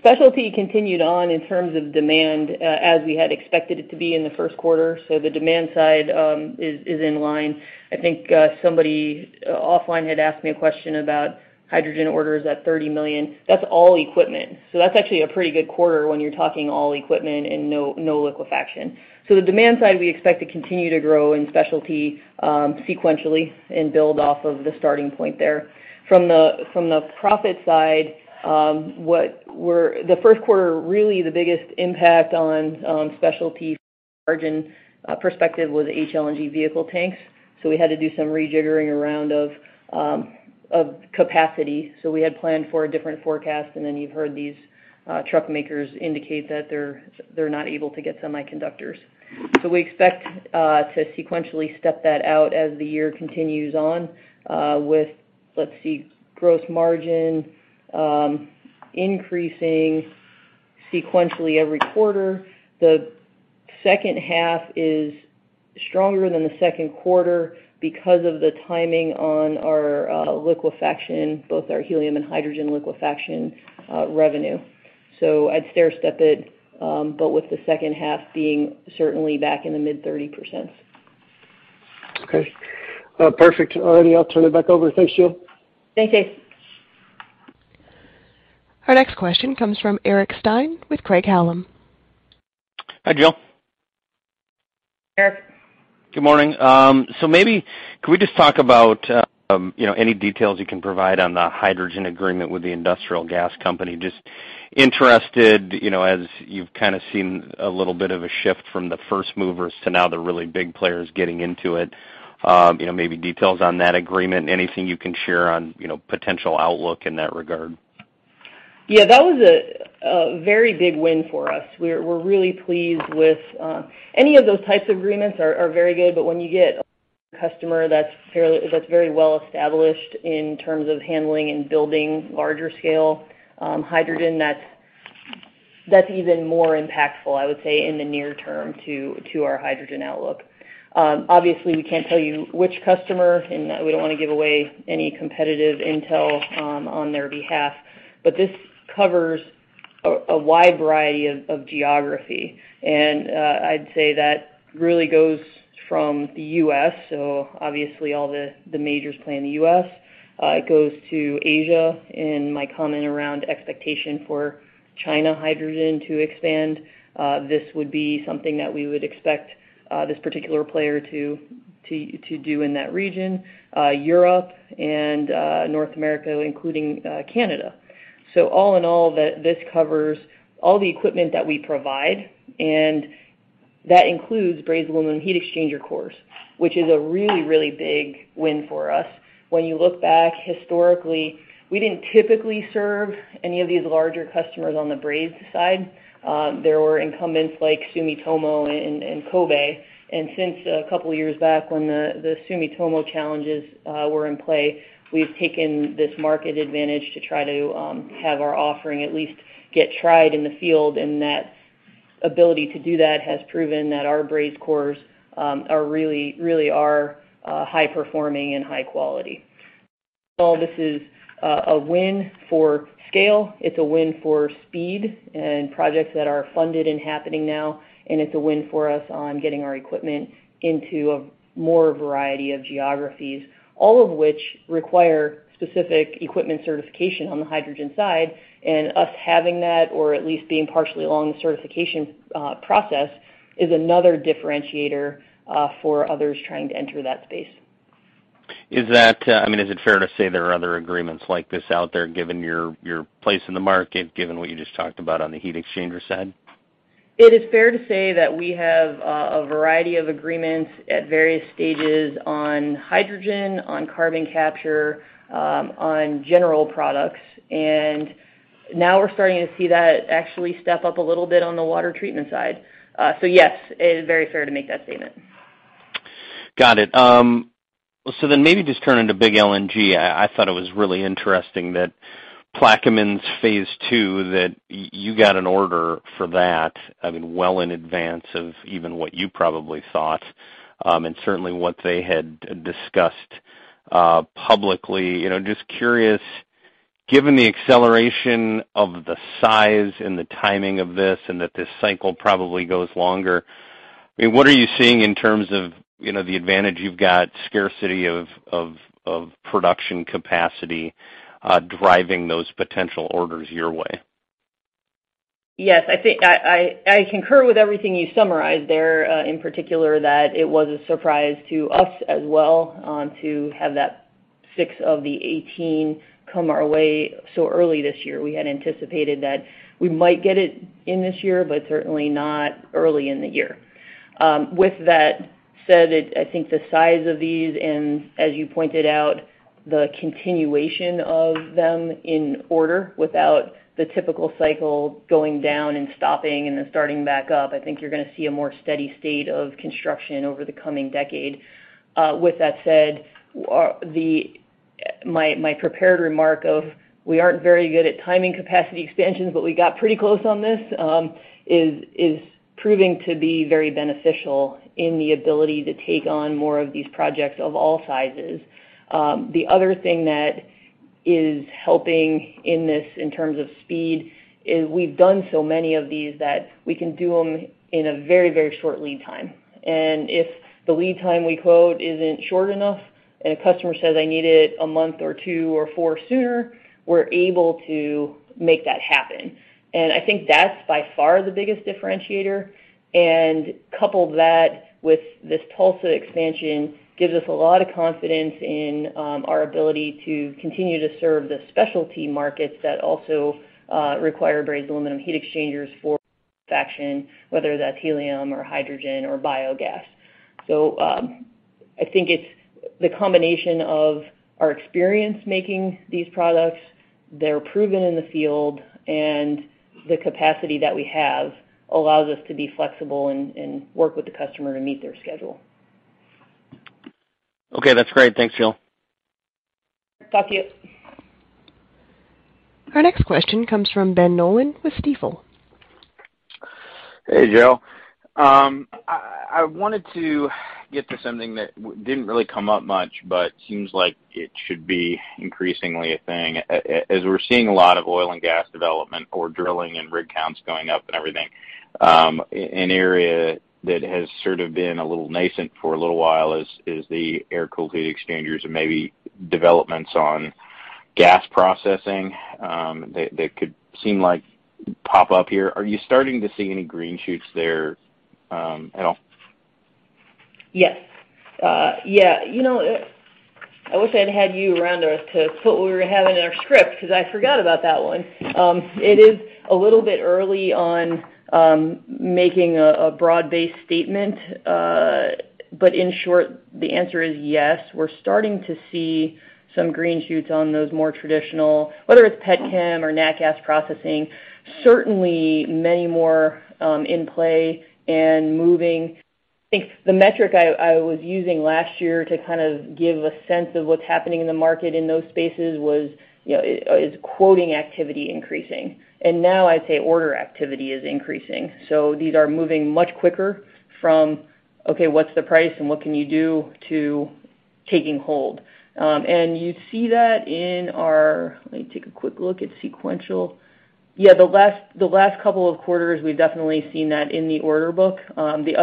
Specialty continued on in terms of demand, as we had expected it to be in the first quarter. The demand side is in line. I think somebody offline had asked me a question about hydrogen orders at $30 million. That's all equipment. That's actually a pretty good quarter when you're talking all equipment and no liquefaction. The demand side, we expect to continue to grow in Specialty, sequentially and build off of the starting point there. From the profit side, the first quarter really the biggest impact on Specialty margin perspective was HLNG vehicle tanks. We had to do some rejiggering around of capacity. We had planned for a different forecast, and then you've heard these truck makers indicate that they're not able to get semiconductors. We expect to sequentially step that out as the year continues on, with, let's see, gross margin increasing sequentially every quarter. The H2 is stronger than the second quarter because of the timing on our liquefaction, both our helium and hydrogen liquefaction revenue. I'd stairstep it, but with the H2 being certainly back in the mid-30%. Okay. Perfect. All righty. I'll turn it back over. Thanks, Jill. Thanks, Chase. Our next question comes from Eric Stine with Craig-Hallum. Hi, Jill. Eric. Good morning. Maybe could we just talk about, you know, any details you can provide on the hydrogen agreement with the industrial gas company? Just interested, you know, as you've kind of seen a little bit of a shift from the first movers to now the really big players getting into it. You know, maybe details on that agreement, anything you can share on, you know, potential outlook in that regard. Yeah, that was a very big win for us. We're really pleased with any of those types of agreements are very good, but when you get a customer that's very well established in terms of handling and building larger scale hydrogen, that's even more impactful, I would say, in the near term to our hydrogen outlook. Obviously, we can't tell you which customer, and we don't wanna give away any competitive intel on their behalf. But this covers a wide variety of geography. I'd say that really goes from the U.S. Obviously, all the majors play in the U.S. It goes to Asia, and my comment around expectation for China hydrogen to expand, this would be something that we would expect, this particular player to do in that region, Europe and North America, including Canada. All in all, this covers all the equipment that we provide, and that includes brazed aluminum heat exchanger cores, which is a really, really big win for us. When you look back historically, we didn't typically serve any of these larger customers on the brazed side. There were incumbents like Sumitomo and Kobe. Since a couple years back when the Sumitomo challenges were in play, we've taken this market advantage to try to have our offering at least get tried in the field. That ability to do that has proven that our brazed cores are really high performing and high quality. This is a win for scale, it's a win for speed and projects that are funded and happening now, and it's a win for us on getting our equipment into a more variety of geographies, all of which require specific equipment certification on the hydrogen side. Us having that, or at least being partially along the certification process, is another differentiator for others trying to enter that space. Is that, I mean, is it fair to say there are other agreements like this out there, given your place in the market, given what you just talked about on the heat exchanger side? It is fair to say that we have a variety of agreements at various stages on hydrogen, on carbon capture, on general products. Now we're starting to see that actually step up a little bit on the water treatment side. Yes, it is very fair to make that statement. Got it. Maybe just turn into big LNG. I thought it was really interesting that Plaquemines phase II, that you got an order for that, I mean, well in advance of even what you probably thought, and certainly what they had discussed, publicly. You know, just curious, given the acceleration of the size and the timing of this and that this cycle probably goes longer, I mean, what are you seeing in terms of, you know, the advantage you've got scarcity of production capacity driving those potential orders your way? Yes. I think I concur with everything you summarized there, in particular, that it was a surprise to us as well, to have that six of the 18 come our way so early this year. We had anticipated that we might get it in this year, but certainly not early in the year. With that said, I think the size of these, and as you pointed out, the continuation of them in order without the typical cycle going down and stopping and then starting back up, I think you're gonna see a more steady state of construction over the coming decade. With that said, the My prepared remark of we aren't very good at timing capacity expansions, but we got pretty close on this is proving to be very beneficial in the ability to take on more of these projects of all sizes. The other thing that is helping in this in terms of speed is we've done so many of these that we can do them in a very, very short lead time. If the lead time we quote isn't short enough, and a customer says, "I need it a month or two or four sooner," we're able to make that happen. I think that's by far the biggest differentiator. Couple that with this Tulsa expansion gives us a lot of confidence in our ability to continue to serve the specialty markets that also require brazed aluminum heat exchangers for fractionation, whether that's helium or hydrogen or biogas. I think it's the combination of our experience making these products, they're proven in the field, and the capacity that we have allows us to be flexible and work with the customer to meet their schedule. Okay. That's great. Thanks, Jill. Talk to you. Our next question comes from Ben Nolan with Stifel. Hey, Jill. I wanted to get to something that didn't really come up much, but seems like it should be increasingly a thing. As we're seeing a lot of oil and gas development or drilling and rig counts going up and everything, an area that has sort of been a little nascent for a little while is the air-cooled heat exchangers and maybe developments on gas processing that could seem like pop up here. Are you starting to see any green shoots there at all? Yes. I wish I'd had you around to put what we were having in our script because I forgot about that one. It is a little bit early on making a broad-based statement. In short, the answer is yes. We're starting to see some green shoots on those more traditional, whether it's pet chem or nat gas processing, certainly many more in play and moving. I think the metric I was using last year to kind of give a sense of what's happening in the market in those spaces was, you know, quoting activity increasing. Now I'd say order activity is increasing. These are moving much quicker from, okay, what's the price and what can you do to taking hold. You see that in our sequential. The last couple of quarters, we've definitely seen that in the order book. The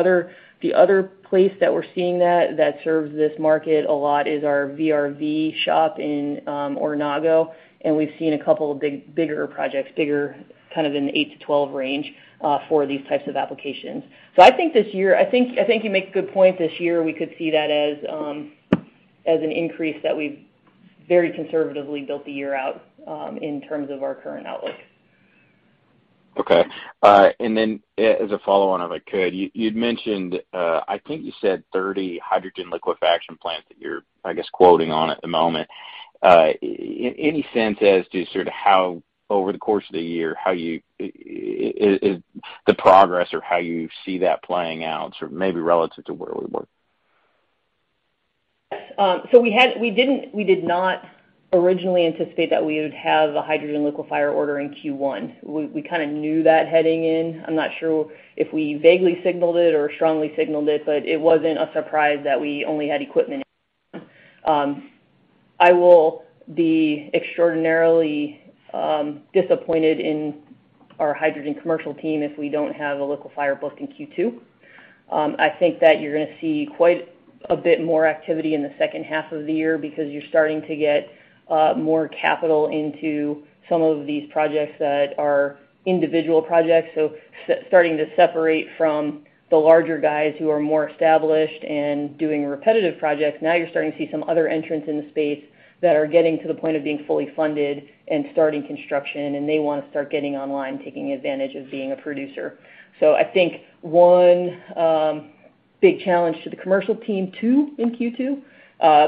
other place that we're seeing that that serves this market a lot is our VRV shop in Ornago, and we've seen a couple of bigger projects, kind of in the eight-12 range for these types of applications. I think you make a good point. This year, we could see that as an increase that we've very conservatively built the year out in terms of our current outlook. Okay. As a follow-on, if I could, you'd mentioned, I think you said 30 hydrogen liquefaction plants that you're, I guess, quoting on at the moment. Any sense as to sort of how over the course of the year, how is the progress or how you see that playing out, sort of maybe relative to where we were? We did not originally anticipate that we would have a hydrogen liquefier order in Q1. We kinda knew that heading in. I'm not sure if we vaguely signaled it or strongly signaled it, but it wasn't a surprise that we only had equipment. I will be extraordinarily disappointed in our hydrogen commercial team if we don't have a liquefier book in Q2. I think that you're gonna see quite a bit more activity in the H2 of the year because you're starting to get more capital into some of these projects that are individual projects. Starting to separate from the larger guys who are more established and doing repetitive projects. Now you're starting to see some other entrants in the space that are getting to the point of being fully funded and starting construction, and they wanna start getting online, taking advantage of being a producer. I think one, big challenge to the commercial team, two in Q2,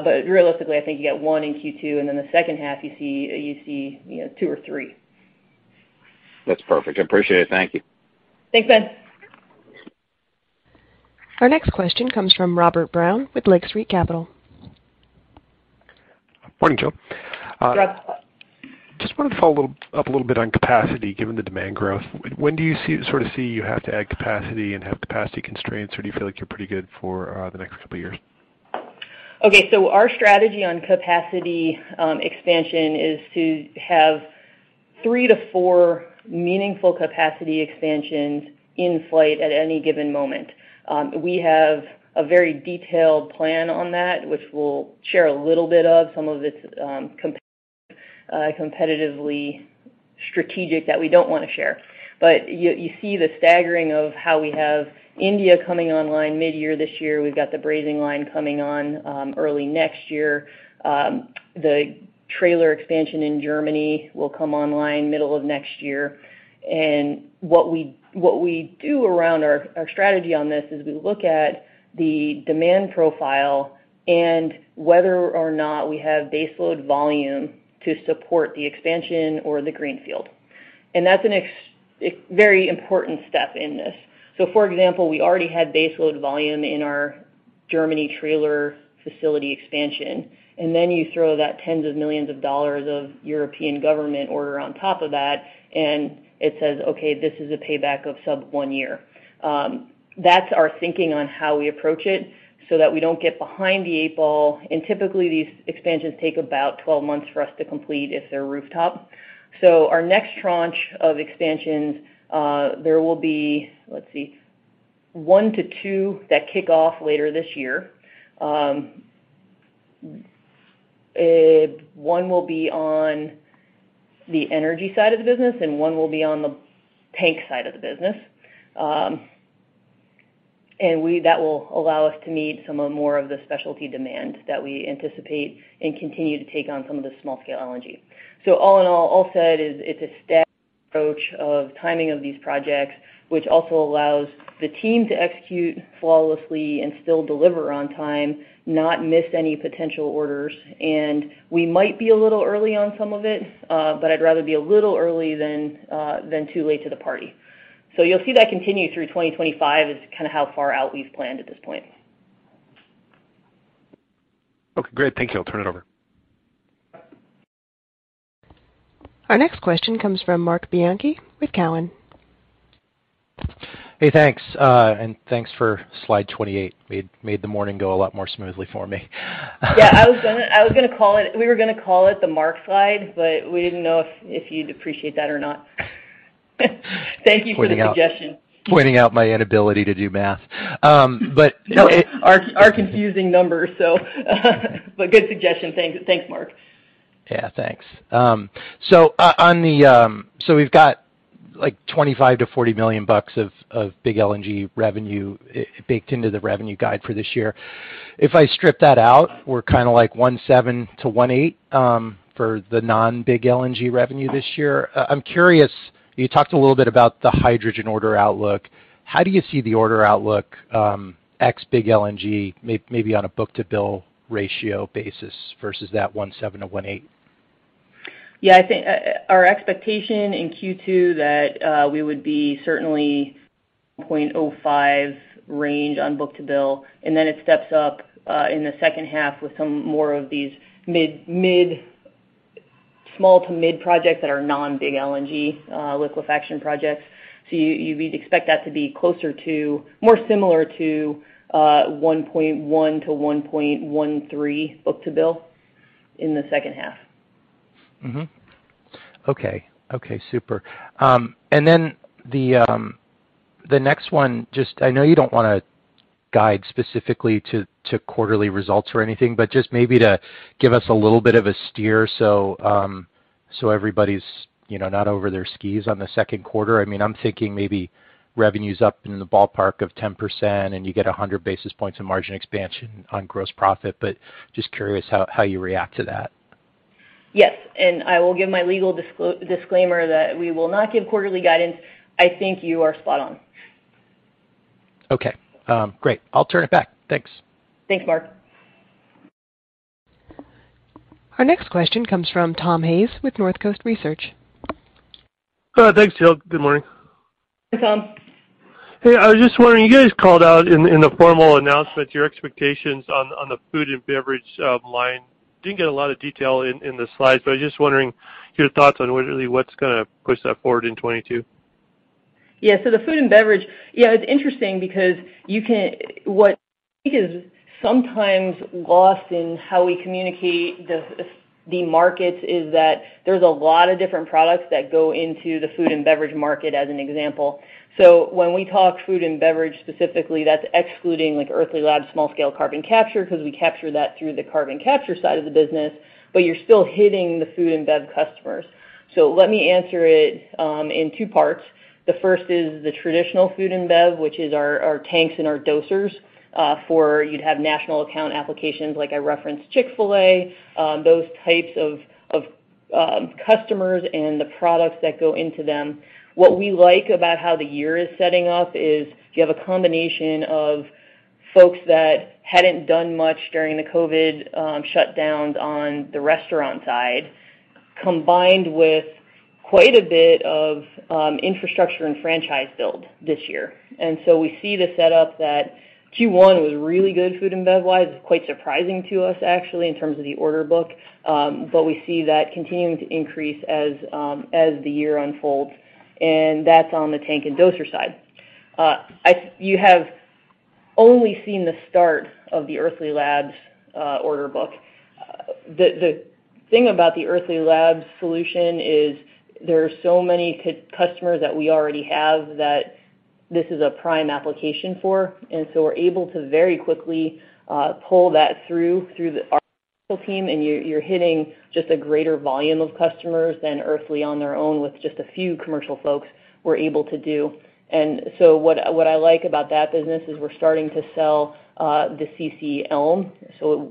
but realistically, I think you get one in Q2, and then the H2 you see you know two or three. That's perfect. I appreciate it. Thank you. Thanks, Ben. Our next question comes from Robert Brown with Lake Street Capital Markets. Morning, Jill. Rob. Just wanted to follow up a little bit on capacity, given the demand growth. When do you sort of see you have to add capacity and have capacity constraints, or do you feel like you're pretty good for the next couple of years? Okay. Our strategy on capacity expansion is to have three-four meaningful capacity expansions in flight at any given moment. We have a very detailed plan on that, which we'll share a little bit of. Some of it's competitively strategic that we don't wanna share. You see the staggering of how we have India coming online mid-year this year. We've got the brazing line coming on early next year. The trailer expansion in Germany will come online middle of next year. What we do around our strategy on this is we look at the demand profile and whether or not we have baseload volume to support the expansion or the greenfield. That's a very important step in this. For example, we already had baseload volume in our Germany trailer facility expansion, and then you throw that $10s of millions of European government order on top of that, and it says, "Okay, this is a payback of sub-one year." That's our thinking on how we approach it so that we don't get behind the eight ball. Typically, these expansions take about 12 months for us to complete if they're rooftop. Our next tranche of expansions, there will be, let's see, one-two that kick off later this year. One will be on the energy side of the business and one will be on the tank side of the business. That will allow us to meet some more of the specialty demand that we anticipate and continue to take on some of the small-scale LNG. All in all said, it's a staggered approach of timing of these projects, which also allows the team to execute flawlessly and still deliver on time, not miss any potential orders. We might be a little early on some of it, but I'd rather be a little early than too late to the party. You'll see that continue through 2025 is kinda how far out we've planned at this point. Okay, great. Thank you. I'll turn it over. Our next question comes from Marc Bianchi with Cowen. Hey, thanks. Thanks for slide 28. Made the morning go a lot more smoothly for me. Yeah, I was gonna call it the Marc slide, but we didn't know if you'd appreciate that or not. Thank you for the suggestion. Pointing out my inability to do math. No, our confusing numbers, but good suggestion. Thanks, Marc. Yeah, thanks. We've got, like, $25 million-$40 million of big LNG revenue baked into the revenue guide for this year. If I strip that out, we're kinda like $17 million-$18 million for the non-big LNG revenue this year. I'm curious, you talked a little bit about the hydrogen order outlook. How do you see the order outlook, ex big LNG, maybe on a book-to-bill ratio basis versus that $17 million-$18 million? Yeah, I think our expectation in Q2 that we would be certainly 0.05 range on book-to-bill, and then it steps up in the H2 with some more of these mid-small to mid projects that are non-big LNG liquefaction projects. You'd expect that to be closer to more similar to 1.1-1.13 book-to-bill in the H2. The next one. I know you don't wanna guide specifically to quarterly results or anything, but just maybe to give us a little bit of a steer so everybody's, you know, not over their skis on the second quarter. I mean, I'm thinking maybe revenue's up in the ballpark of 10%, and you get 100 basis points of margin expansion on gross profit. Just curious how you react to that. Yes. I will give my legal disclaimer that we will not give quarterly guidance. I think you are spot on. Okay. Great. I'll turn it back. Thanks. Thanks, Marc. Our next question comes from Tom Hayes with Northcoast Research. Thanks, Jill. Good morning. Hey, Tom. Hey, I was just wondering, you guys called out in the formal announcement your expectations on the food and beverage line. Didn't get a lot of detail in the slides, but I was just wondering your thoughts on what's gonna push that forward in 2022. Yeah. The food and beverage. Yeah, it's interesting because what I think is sometimes lost in how we communicate the markets is that there's a lot of different products that go into the food and beverage market, as an example. When we talk food and beverage specifically, that's excluding, like Earthly Labs small-scale carbon capture, because we capture that through the carbon capture side of the business, but you're still hitting the food and bev customers. Let me answer it in two parts. The first is the traditional food and bev, which is our tanks and our dosers. You'd have national account applications, like I referenced Chick-fil-A, those types of customers and the products that go into them. What we like about how the year is setting up is you have a combination of folks that hadn't done much during the COVID shutdowns on the restaurant side, combined with quite a bit of infrastructure and franchise build this year. We see the setup that Q1 was really good food and bev wise. Quite surprising to us actually, in terms of the order book. We see that continuing to increase as the year unfolds, and that's on the tank and dozer side. You have only seen the start of the Earthly Labs order book. The thing about the Earthly Labs solution is there are so many customers that we already have that this is a prime application for. We're able to very quickly pull that through our team, and you're hitting just a greater volume of customers than Earthly on their own with just a few commercial folks were able to do. What I like about that business is we're starting to sell the CiCi Elm.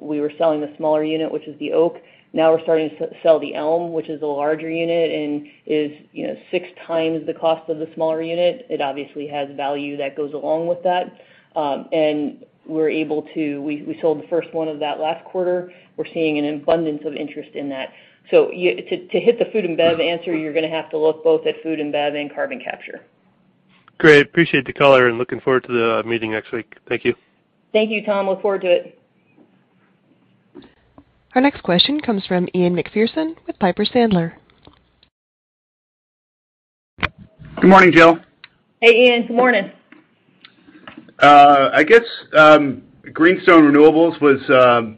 We were selling the smaller unit, which is the Oak. Now we're starting to sell the Elm, which is the larger unit and is, you know, six times the cost of the smaller unit. It obviously has value that goes along with that. We sold the first one of that last quarter. We're seeing an abundance of interest in that. To hit the food and bev answer, you're gonna have to look both at food and bev and carbon capture. Great. Appreciate the color, and looking forward to the meeting next week. Thank you. Thank you, Tom. Look forward to it. Our next question comes from Ian Macpherson with Piper Sandler. Good morning, Jill. Hey, Ian. Good morning. I guess Greenstone Renewables was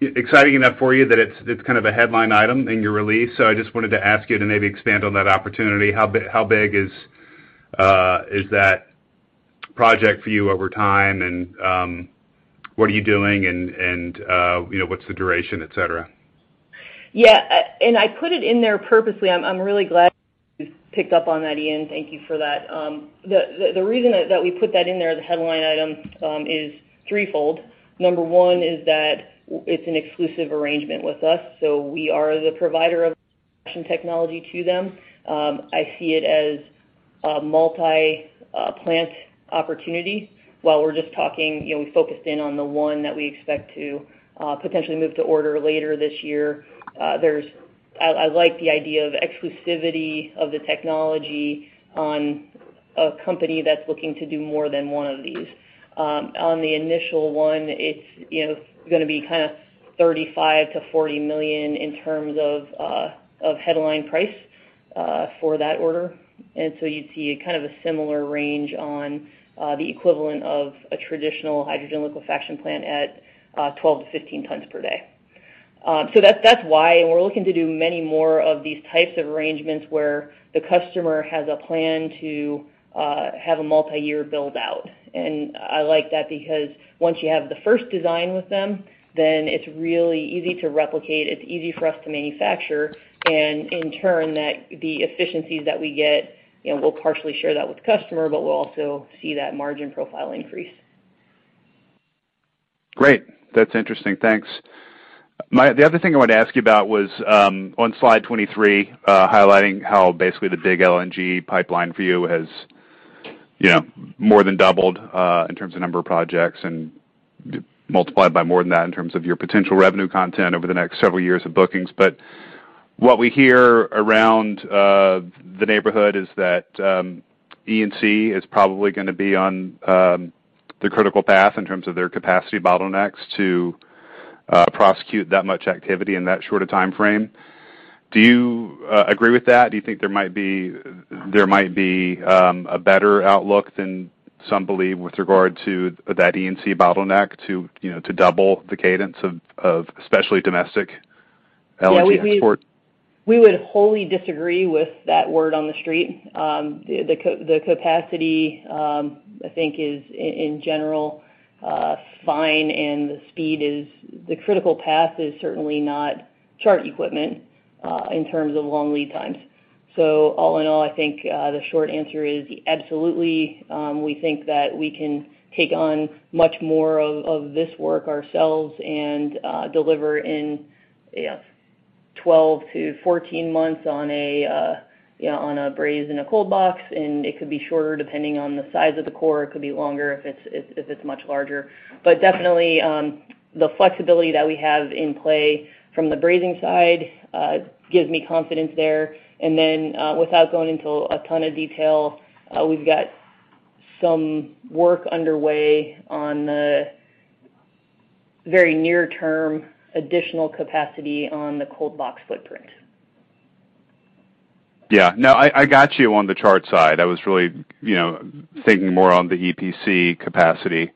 exciting enough for you that it's kind of a headline item in your release. I just wanted to ask you to maybe expand on that opportunity. How big is that project for you over time? And what are you doing and you know what's the duration, et cetera? Yeah. I put it in there purposely. I'm really glad you picked up on that, Ian. Thank you for that. The reason that we put that in there as a headline item is threefold. Number one is that it's an exclusive arrangement with us, so we are the provider of technology to them. I see it as a multi plant opportunity. While we're just talking, you know, we focused in on the one that we expect to potentially move to order later this year. I like the idea of exclusivity of the technology on a company that's looking to do more than one of these. On the initial one, it's, you know, gonna be kind of $35 million-$40 million in terms of headline price for that order. You'd see a kind of a similar range on the equivalent of a traditional hydrogen liquefaction plant at 12-15 tons per day. That's why we're looking to do many more of these types of arrangements where the customer has a plan to have a multi-year build out. I like that because once you have the first design with them, then it's really easy to replicate. It's easy for us to manufacture, and in turn, that the efficiencies that we get, you know, we'll partially share that with the customer, but we'll also see that margin profile increase. Great. That's interesting. Thanks. The other thing I wanted to ask you about was on slide 23, highlighting how basically the big LNG pipeline for you has, you know, more than doubled in terms of number of projects and multiplied by more than that in terms of your potential revenue content over the next several years of bookings. What we hear around the neighborhood is that E&C is probably gonna be on the critical path in terms of their capacity bottlenecks to prosecute that much activity in that short a time frame. Do you agree with that? Do you think there might be a better outlook than some believe with regard to that E&C bottleneck to, you know, to double the cadence of especially domestic LNG export? Yeah, we would wholly disagree with that word on the street. The capacity, I think, is in general fine, and the critical path is certainly not Chart equipment in terms of long lead times. All in all, I think, the short answer is absolutely, we think that we can take on much more of this work ourselves and deliver in 12-14 months on a, you know, on a BAHX in a cold box, and it could be shorter depending on the size of the core. It could be longer if it's much larger. Definitely, the flexibility that we have in play from the brazing side gives me confidence there. Without going into a ton of detail, we've got some work underway on the very near term, additional capacity on the cold box footprint. Yeah. No, I got you on the Chart side. I was really, you know, thinking more on the EPC capacity,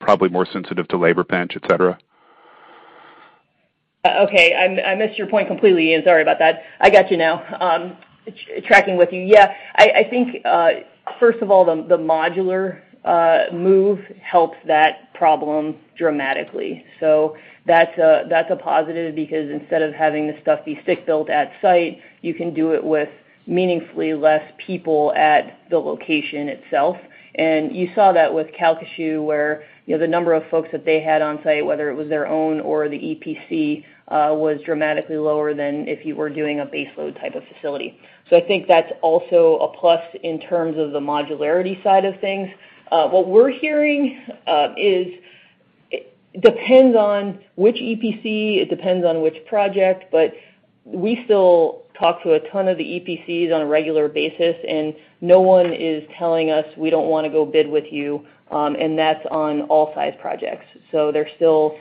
probably more sensitive to labor pinch, et cetera. Okay. I missed your point completely, Ian. Sorry about that. I got you now. Tracking with you. I think first of all, the modular move helps that problem dramatically. That's a positive because instead of having the stuff be stick-built at site, you can do it with meaningfully less people at the location itself. You saw that with Calcasieu, where the number of folks that they had on site, whether it was their own or the EPC, was dramatically lower than if you were doing a baseload type of facility. I think that's also a plus in terms of the modularity side of things. What we're hearing is it depends on which EPC, it depends on which project, but we still talk to a ton of the EPCs on a regular basis, and no one is telling us, "We don't wanna go bid with you." That's on all size projects. They're still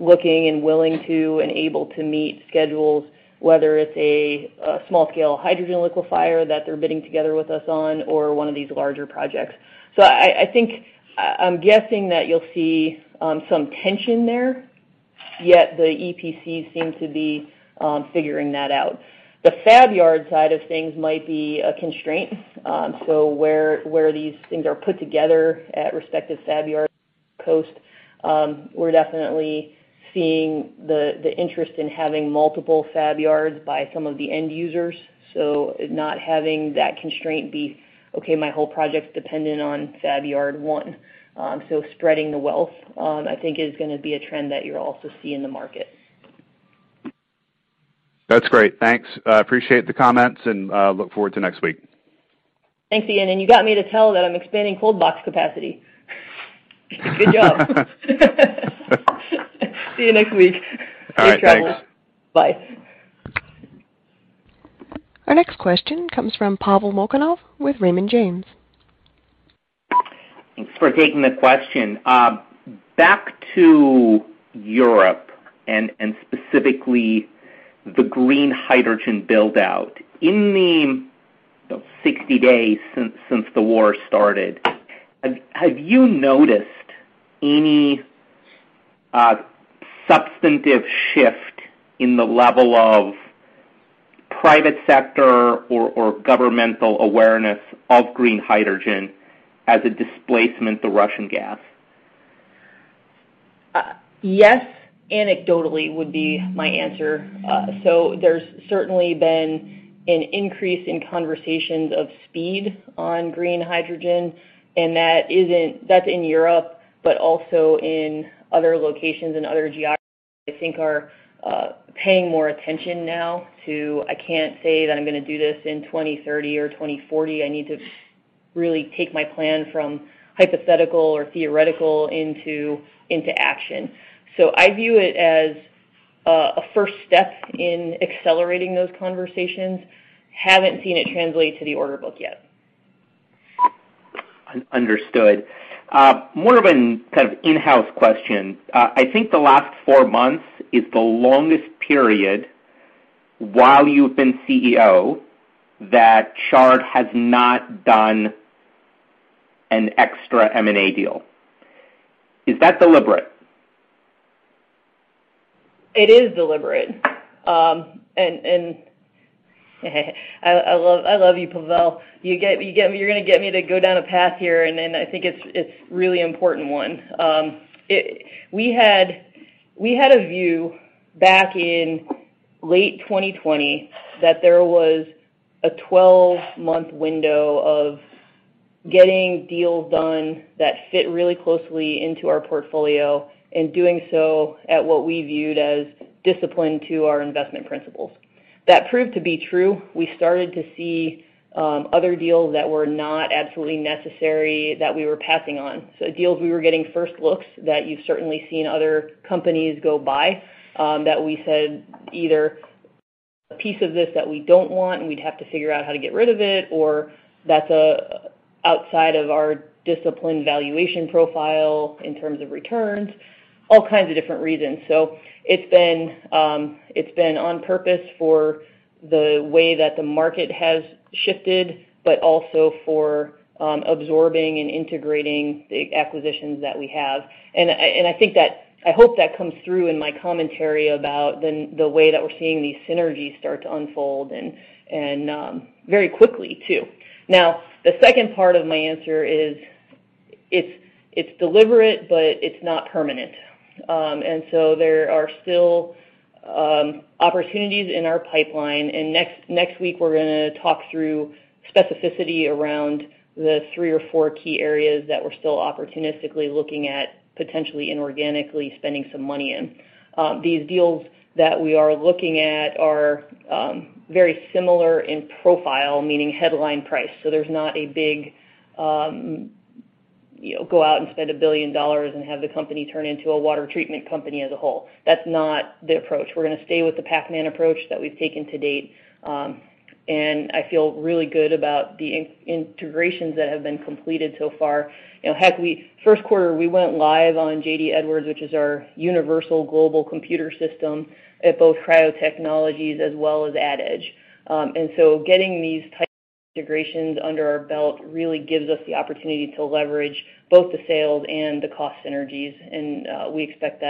looking and willing to and able to meet schedules, whether it's a small scale hydrogen liquefier that they're bidding together with us on or one of these larger projects. I'm guessing that you'll see some tension there, yet the EPC seem to be figuring that out. The fab yard side of things might be a constraint, so where these things are put together at respective fab yard costs, we're definitely seeing the interest in having multiple fab yards by some of the end users. Not having that constraint be, "Okay, my whole project's dependent on fab yard one." Spreading the wealth, I think is gonna be a trend that you'll also see in the market. That's great. Thanks. I appreciate the comments and look forward to next week. Thanks, Ian. You got me to tell that I'm expanding cold box capacity. Good job. See you next week. All right. Thanks. Bye. Our next question comes from Pavel Molchanov with Raymond James. Thanks for taking the question. Back to Europe and specifically the green hydrogen build-out. In the 60 days since the war started, have you noticed any substantive shift in the level of private sector or governmental awareness of green hydrogen as a displacement to Russian gas? Yes, anecdotally would be my answer. There's certainly been an increase in conversations of speed on green hydrogen, and that's in Europe, but also in other locations and other geographies, I think are paying more attention now to, "I can't say that I'm gonna do this in 2030 or 2040. I need to really take my plan from hypothetical or theoretical into action." I view it as a first step in accelerating those conversations. Haven't seen it translate to the order book yet. Understood. More of a kind of in-house question. I think the last four months is the longest period while you've been CEO that Chart has not done an extra M&A deal. Is that deliberate? It is deliberate. I love you, Pavel. You get me, you're gonna get me to go down a path here, and then I think it's really important one. We had a view back in late 2020 that there was a 12-month window of getting deals done that fit really closely into our portfolio, and doing so at what we viewed as discipline to our investment principles. That proved to be true. We started to see other deals that were not absolutely necessary that we were passing on. Deals we were getting first looks that you've certainly seen other companies go buy, that we said either a piece of this that we don't want, and we'd have to figure out how to get rid of it, or that's outside of our disciplined valuation profile in terms of returns, all kinds of different reasons. It's been on purpose for the way that the market has shifted, but also for absorbing and integrating the acquisitions that we have. I think that I hope that comes through in my commentary about the way that we're seeing these synergies start to unfold, and very quickly too. Now, the second part of my answer is it's deliberate, but it's not permanent. There are still opportunities in our pipeline. Next week, we're gonna talk through specificity around the three or four key areas that we're still opportunistically looking at potentially inorganically spending some money in. These deals that we are looking at are very similar in profile, meaning headline price. So there's not a big, you know, go out and spend $1 billion and have the company turn into a water treatment company as a whole. That's not the approach. We're gonna stay with the Pac-Man approach that we've taken to date. I feel really good about the integrations that have been completed so far. You know, heck, first quarter, we went live on JD Edwards, which is our universal global computer system at both Cryo Technologies as well as AdEdge. Getting these types of integrations under our belt really gives us the opportunity to leverage both the sales and the cost synergies, and we expect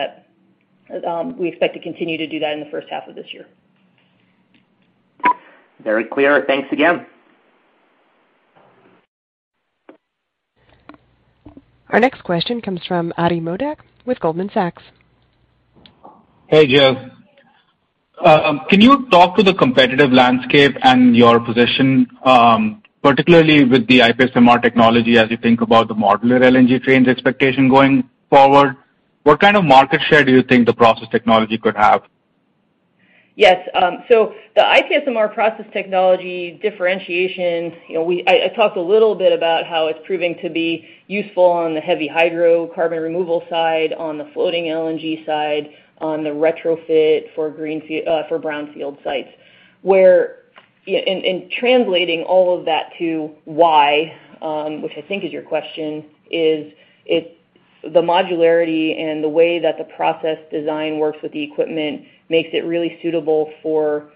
to continue to do that in the H1 of this year. Very clear. Thanks again. Our next question comes from Adi Modak with Goldman Sachs. Hey, Jill. Can you talk to the competitive landscape and your position, particularly with the IPSMR technology as you think about the modular LNG trains expectation going forward? What kind of market share do you think the process technology could have? Yes, the IPSMR process technology differentiation, you know, I talked a little bit about how it's proving to be useful on the heavy hydrocarbon removal side, on the floating LNG side, on the retrofit for brownfield sites. In translating all of that to why, which I think is your question, it's the modularity and the way that the process design works with the equipment makes it really suitable for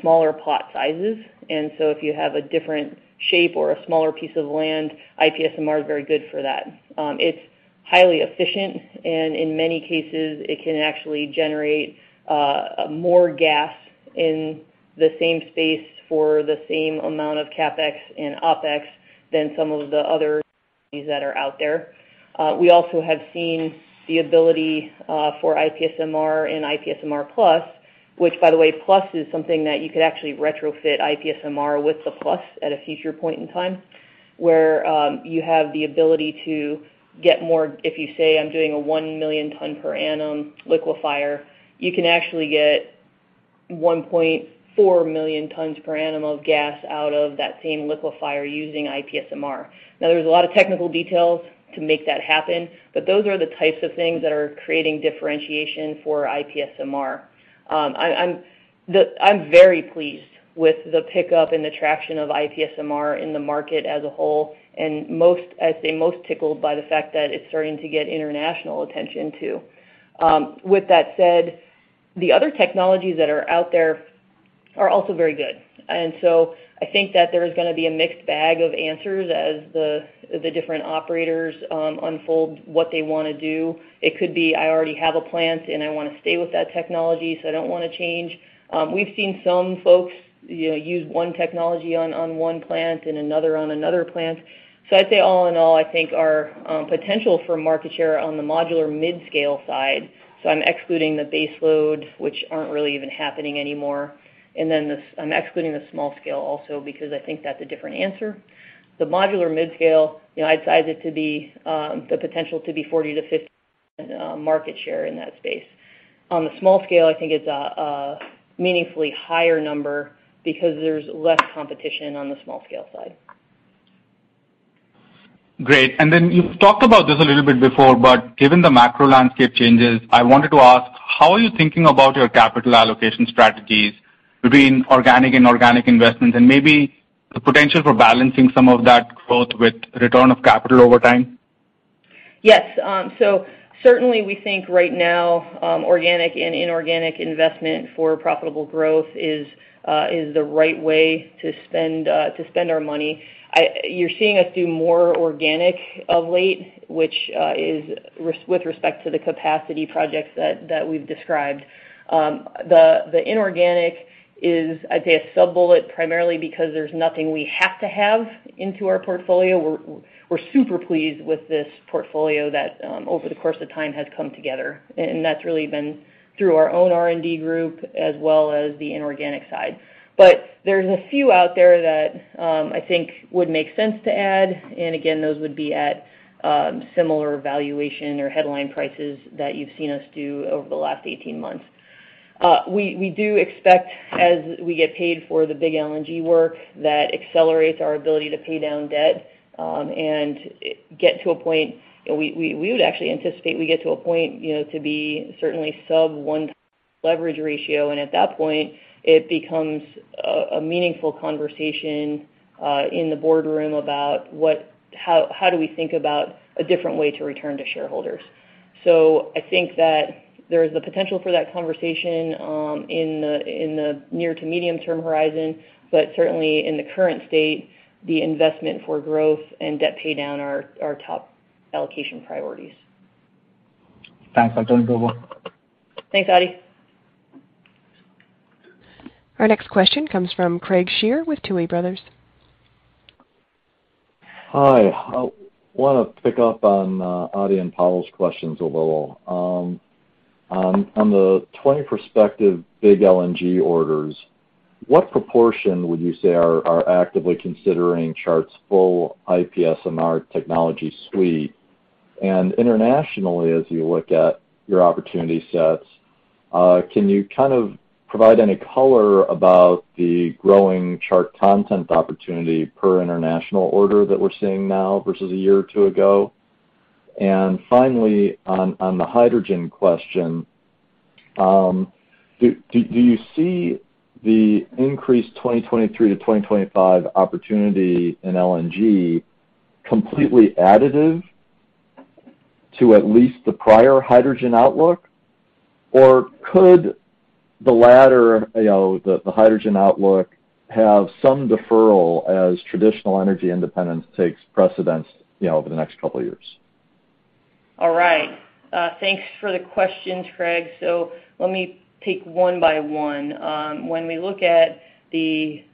smaller plot sizes. If you have a different shape or a smaller piece of land, IPSMR is very good for that. It's highly efficient, and in many cases, it can actually generate more gas in the same space for the same amount of CapEx and OpEx than some of the other technologies that are out there. We also have seen the ability for IPSMR and IPSMR Plus, which, by the way, Plus is something that you could actually retrofit IPSMR with the Plus at a future point in time, where you have the ability to get more. If you say, "I'm doing a 1 million ton per annum liquefier," you can actually get 1.4 million tons per annum of gas out of that same liquefier using IPSMR. Now, there's a lot of technical details to make that happen, but those are the types of things that are creating differentiation for IPSMR. I'm very pleased with the pickup and the traction of IPSMR in the market as a whole, and most, I'd say, most tickled by the fact that it's starting to get international attention too. With that said, the other technologies that are out there are also very good. I think that there is gonna be a mixed bag of answers as the different operators unfold what they wanna do. It could be, I already have a plant and I wanna stay with that technology, so I don't wanna change. We've seen some folks, you know, use one technology on one plant and another on another plant. So I'd say all in all, I think our potential for market share on the modular mid-scale side, so I'm excluding the base load, which aren't really even happening anymore. I'm excluding the small scale also because I think that's a different answer. The modular mid-scale, you know, I'd size it to be the potential to be 40%-50% market share in that space. On the small scale, I think it's a meaningfully higher number because there's less competition on the small scale side. Great. You've talked about this a little bit before, but given the macro landscape changes, I wanted to ask, how are you thinking about your capital allocation strategies between organic and inorganic investments and maybe the potential for balancing some of that growth with return of capital over time? Yes. Certainly we think right now, organic and inorganic investment for profitable growth is the right way to spend our money. You're seeing us do more organic of late, which is with respect to the capacity projects that we've described. The inorganic is, I'd say, a sub-bullet, primarily because there's nothing we have to have into our portfolio. We're super pleased with this portfolio that over the course of time has come together. That's really been through our own R&D group as well as the inorganic side. There's a few out there that I think would make sense to add. Again, those would be at similar valuation or headline prices that you've seen us do over the last 18 months. We do expect as we get paid for the big LNG work, that accelerates our ability to pay down debt and get to a point. We would actually anticipate we get to a point, you know, to be certainly sub 1 times leverage ratio, and at that point, it becomes a meaningful conversation in the boardroom about how we think about a different way to return to shareholders. I think that there is the potential for that conversation in the near to medium-term horizon, but certainly in the current state, the investment for growth and debt pay down are top allocation priorities. Thanks. I don't have more. Thanks, Adi. Our next question comes from Craig Shere with Tuohy Brothers. Hi. I wanna pick up on Adi and Pavel's questions a little. On the 20 prospective big LNG orders, what proportion would you say are actively considering Chart's full IPSMR technology suite? And internationally, as you look at your opportunity sets, can you kind of provide any color about the growing Chart content opportunity per international order that we're seeing now versus a year or two ago? And finally, on the hydrogen question, do you see the increased 2023-2025 opportunity in LNG completely additive to at least the prior hydrogen outlook? Or could the latter, you know, the hydrogen outlook have some deferral as traditional energy independence takes precedence, you know, over the next couple of years? hAll right. Thanks for the questions, Craig. Let me take one by one. When we look at the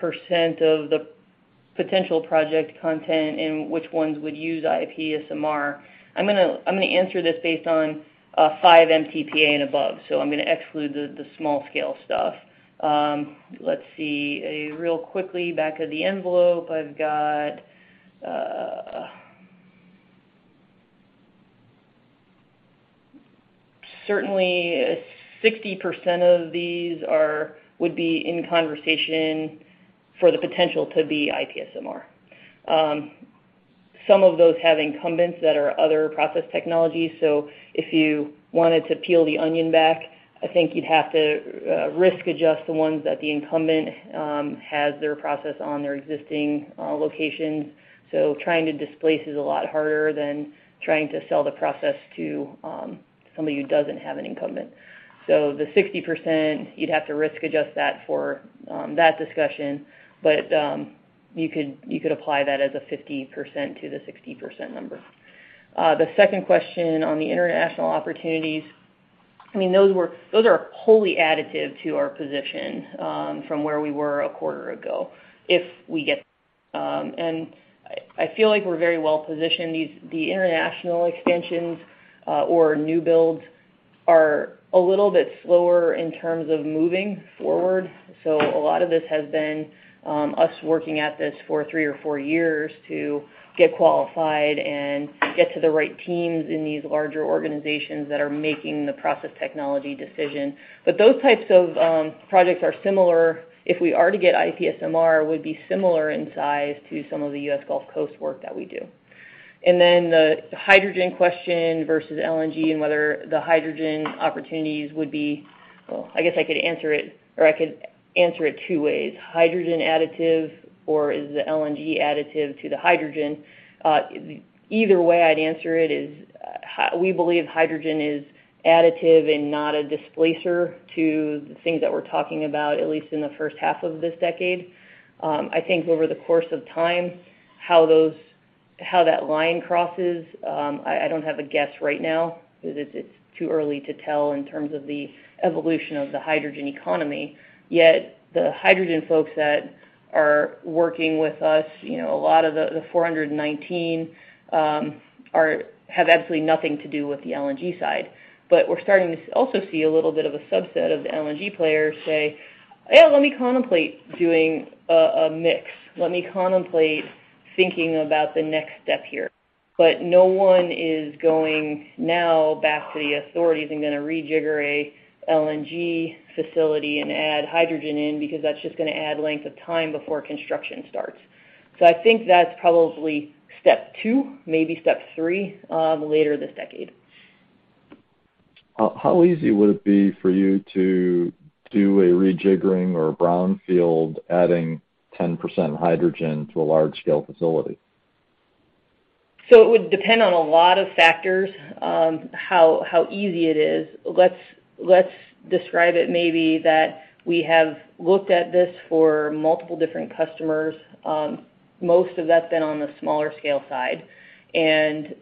percent of the potential project content and which ones would use IPSMR, I'm gonna answer this based on five MTPA and above, I'm gonna exclude the small scale stuff. Let's see. Real quickly back of the envelope, I've got certainly 60% of these are would be in conversation for the potential to be IPSMR. Some of those have incumbents that are other process technologies, if you wanted to peel the onion back, I think you'd have to risk adjust the ones that the incumbent has their process on their existing location. Trying to displace is a lot harder than trying to sell the process to somebody who doesn't have an incumbent. The 60%, you'd have to risk adjust that for that discussion, but you could apply that as a 50% to the 60% number. The second question on the international opportunities, I mean, those are wholly additive to our position from where we were a quarter ago if we get. I feel like we're very well-positioned. The international expansions or new builds are a little bit slower in terms of moving forward, so a lot of this has been us working at this for three or four years to get qualified and get to the right teams in these larger organizations that are making the process technology decision. Those types of projects are similar, if we are to get IPSMR, would be similar in size to some of the U.S. Gulf Coast work that we do. Then the hydrogen question versus LNG and whether the hydrogen opportunities would be. Well, I guess I could answer it or I could answer it two ways. Hydrogen additive or is the LNG additive to the hydrogen? Either way I'd answer it is we believe hydrogen is additive and not a displacer to the things that we're talking about, at least in the H1 of this decade. I think over the course of time, how that line crosses, I don't have a guess right now because it's too early to tell in terms of the evolution of the hydrogen economy. Yet, the hydrogen folks that are working with us, you know, a lot of the 419 have absolutely nothing to do with the LNG side. We're starting to also see a little bit of a subset of the LNG players say, "Yeah, let me contemplate doing a mix. Let me contemplate thinking about the next step here." No one is going now back to the authorities and gonna rejigger a LNG facility and add hydrogen in because that's just gonna add length of time before construction starts. I think that's probably step two, maybe step three, later this decade. How easy would it be for you to do a rejiggering or a brownfield adding 10% hydrogen to a large scale facility? It would depend on a lot of factors, how easy it is. Let's describe it, maybe that we have looked at this for multiple different customers, most of that's been on the smaller scale side. In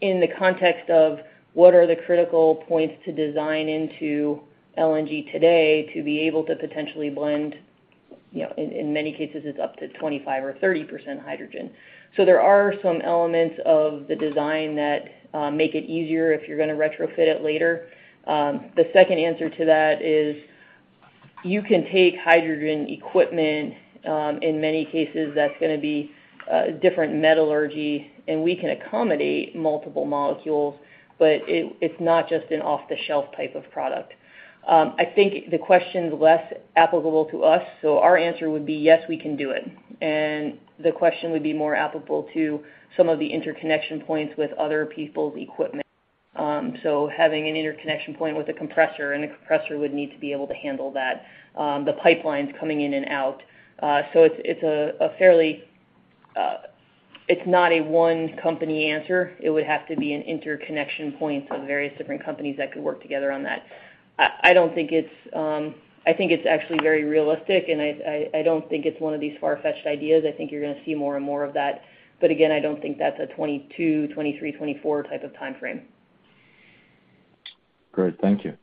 the context of what are the critical points to design into LNG today to be able to potentially blend, you know, in many cases it's up to 25 or 30% hydrogen. There are some elements of the design that make it easier if you're gonna retrofit it later. The second answer to that is you can take hydrogen equipment, in many cases that's gonna be different metallurgy, and we can accommodate multiple molecules, but it's not just an off-the-shelf type of product. I think the question's less applicable to us, so our answer would be, yes, we can do it. The question would be more applicable to some of the interconnection points with other people's equipment. So having an interconnection point with a compressor, and the compressor would need to be able to handle that, the pipelines coming in and out. So it's not a one company answer. It would have to be an interconnection point of various different companies that could work together on that. I don't think it's. I think it's actually very realistic, and I don't think it's one of these far-fetched ideas. I think you're gonna see more and more of that. Again, I don't think that's a 2022, 2023, 2024 type of timeframe. Great. Thank you.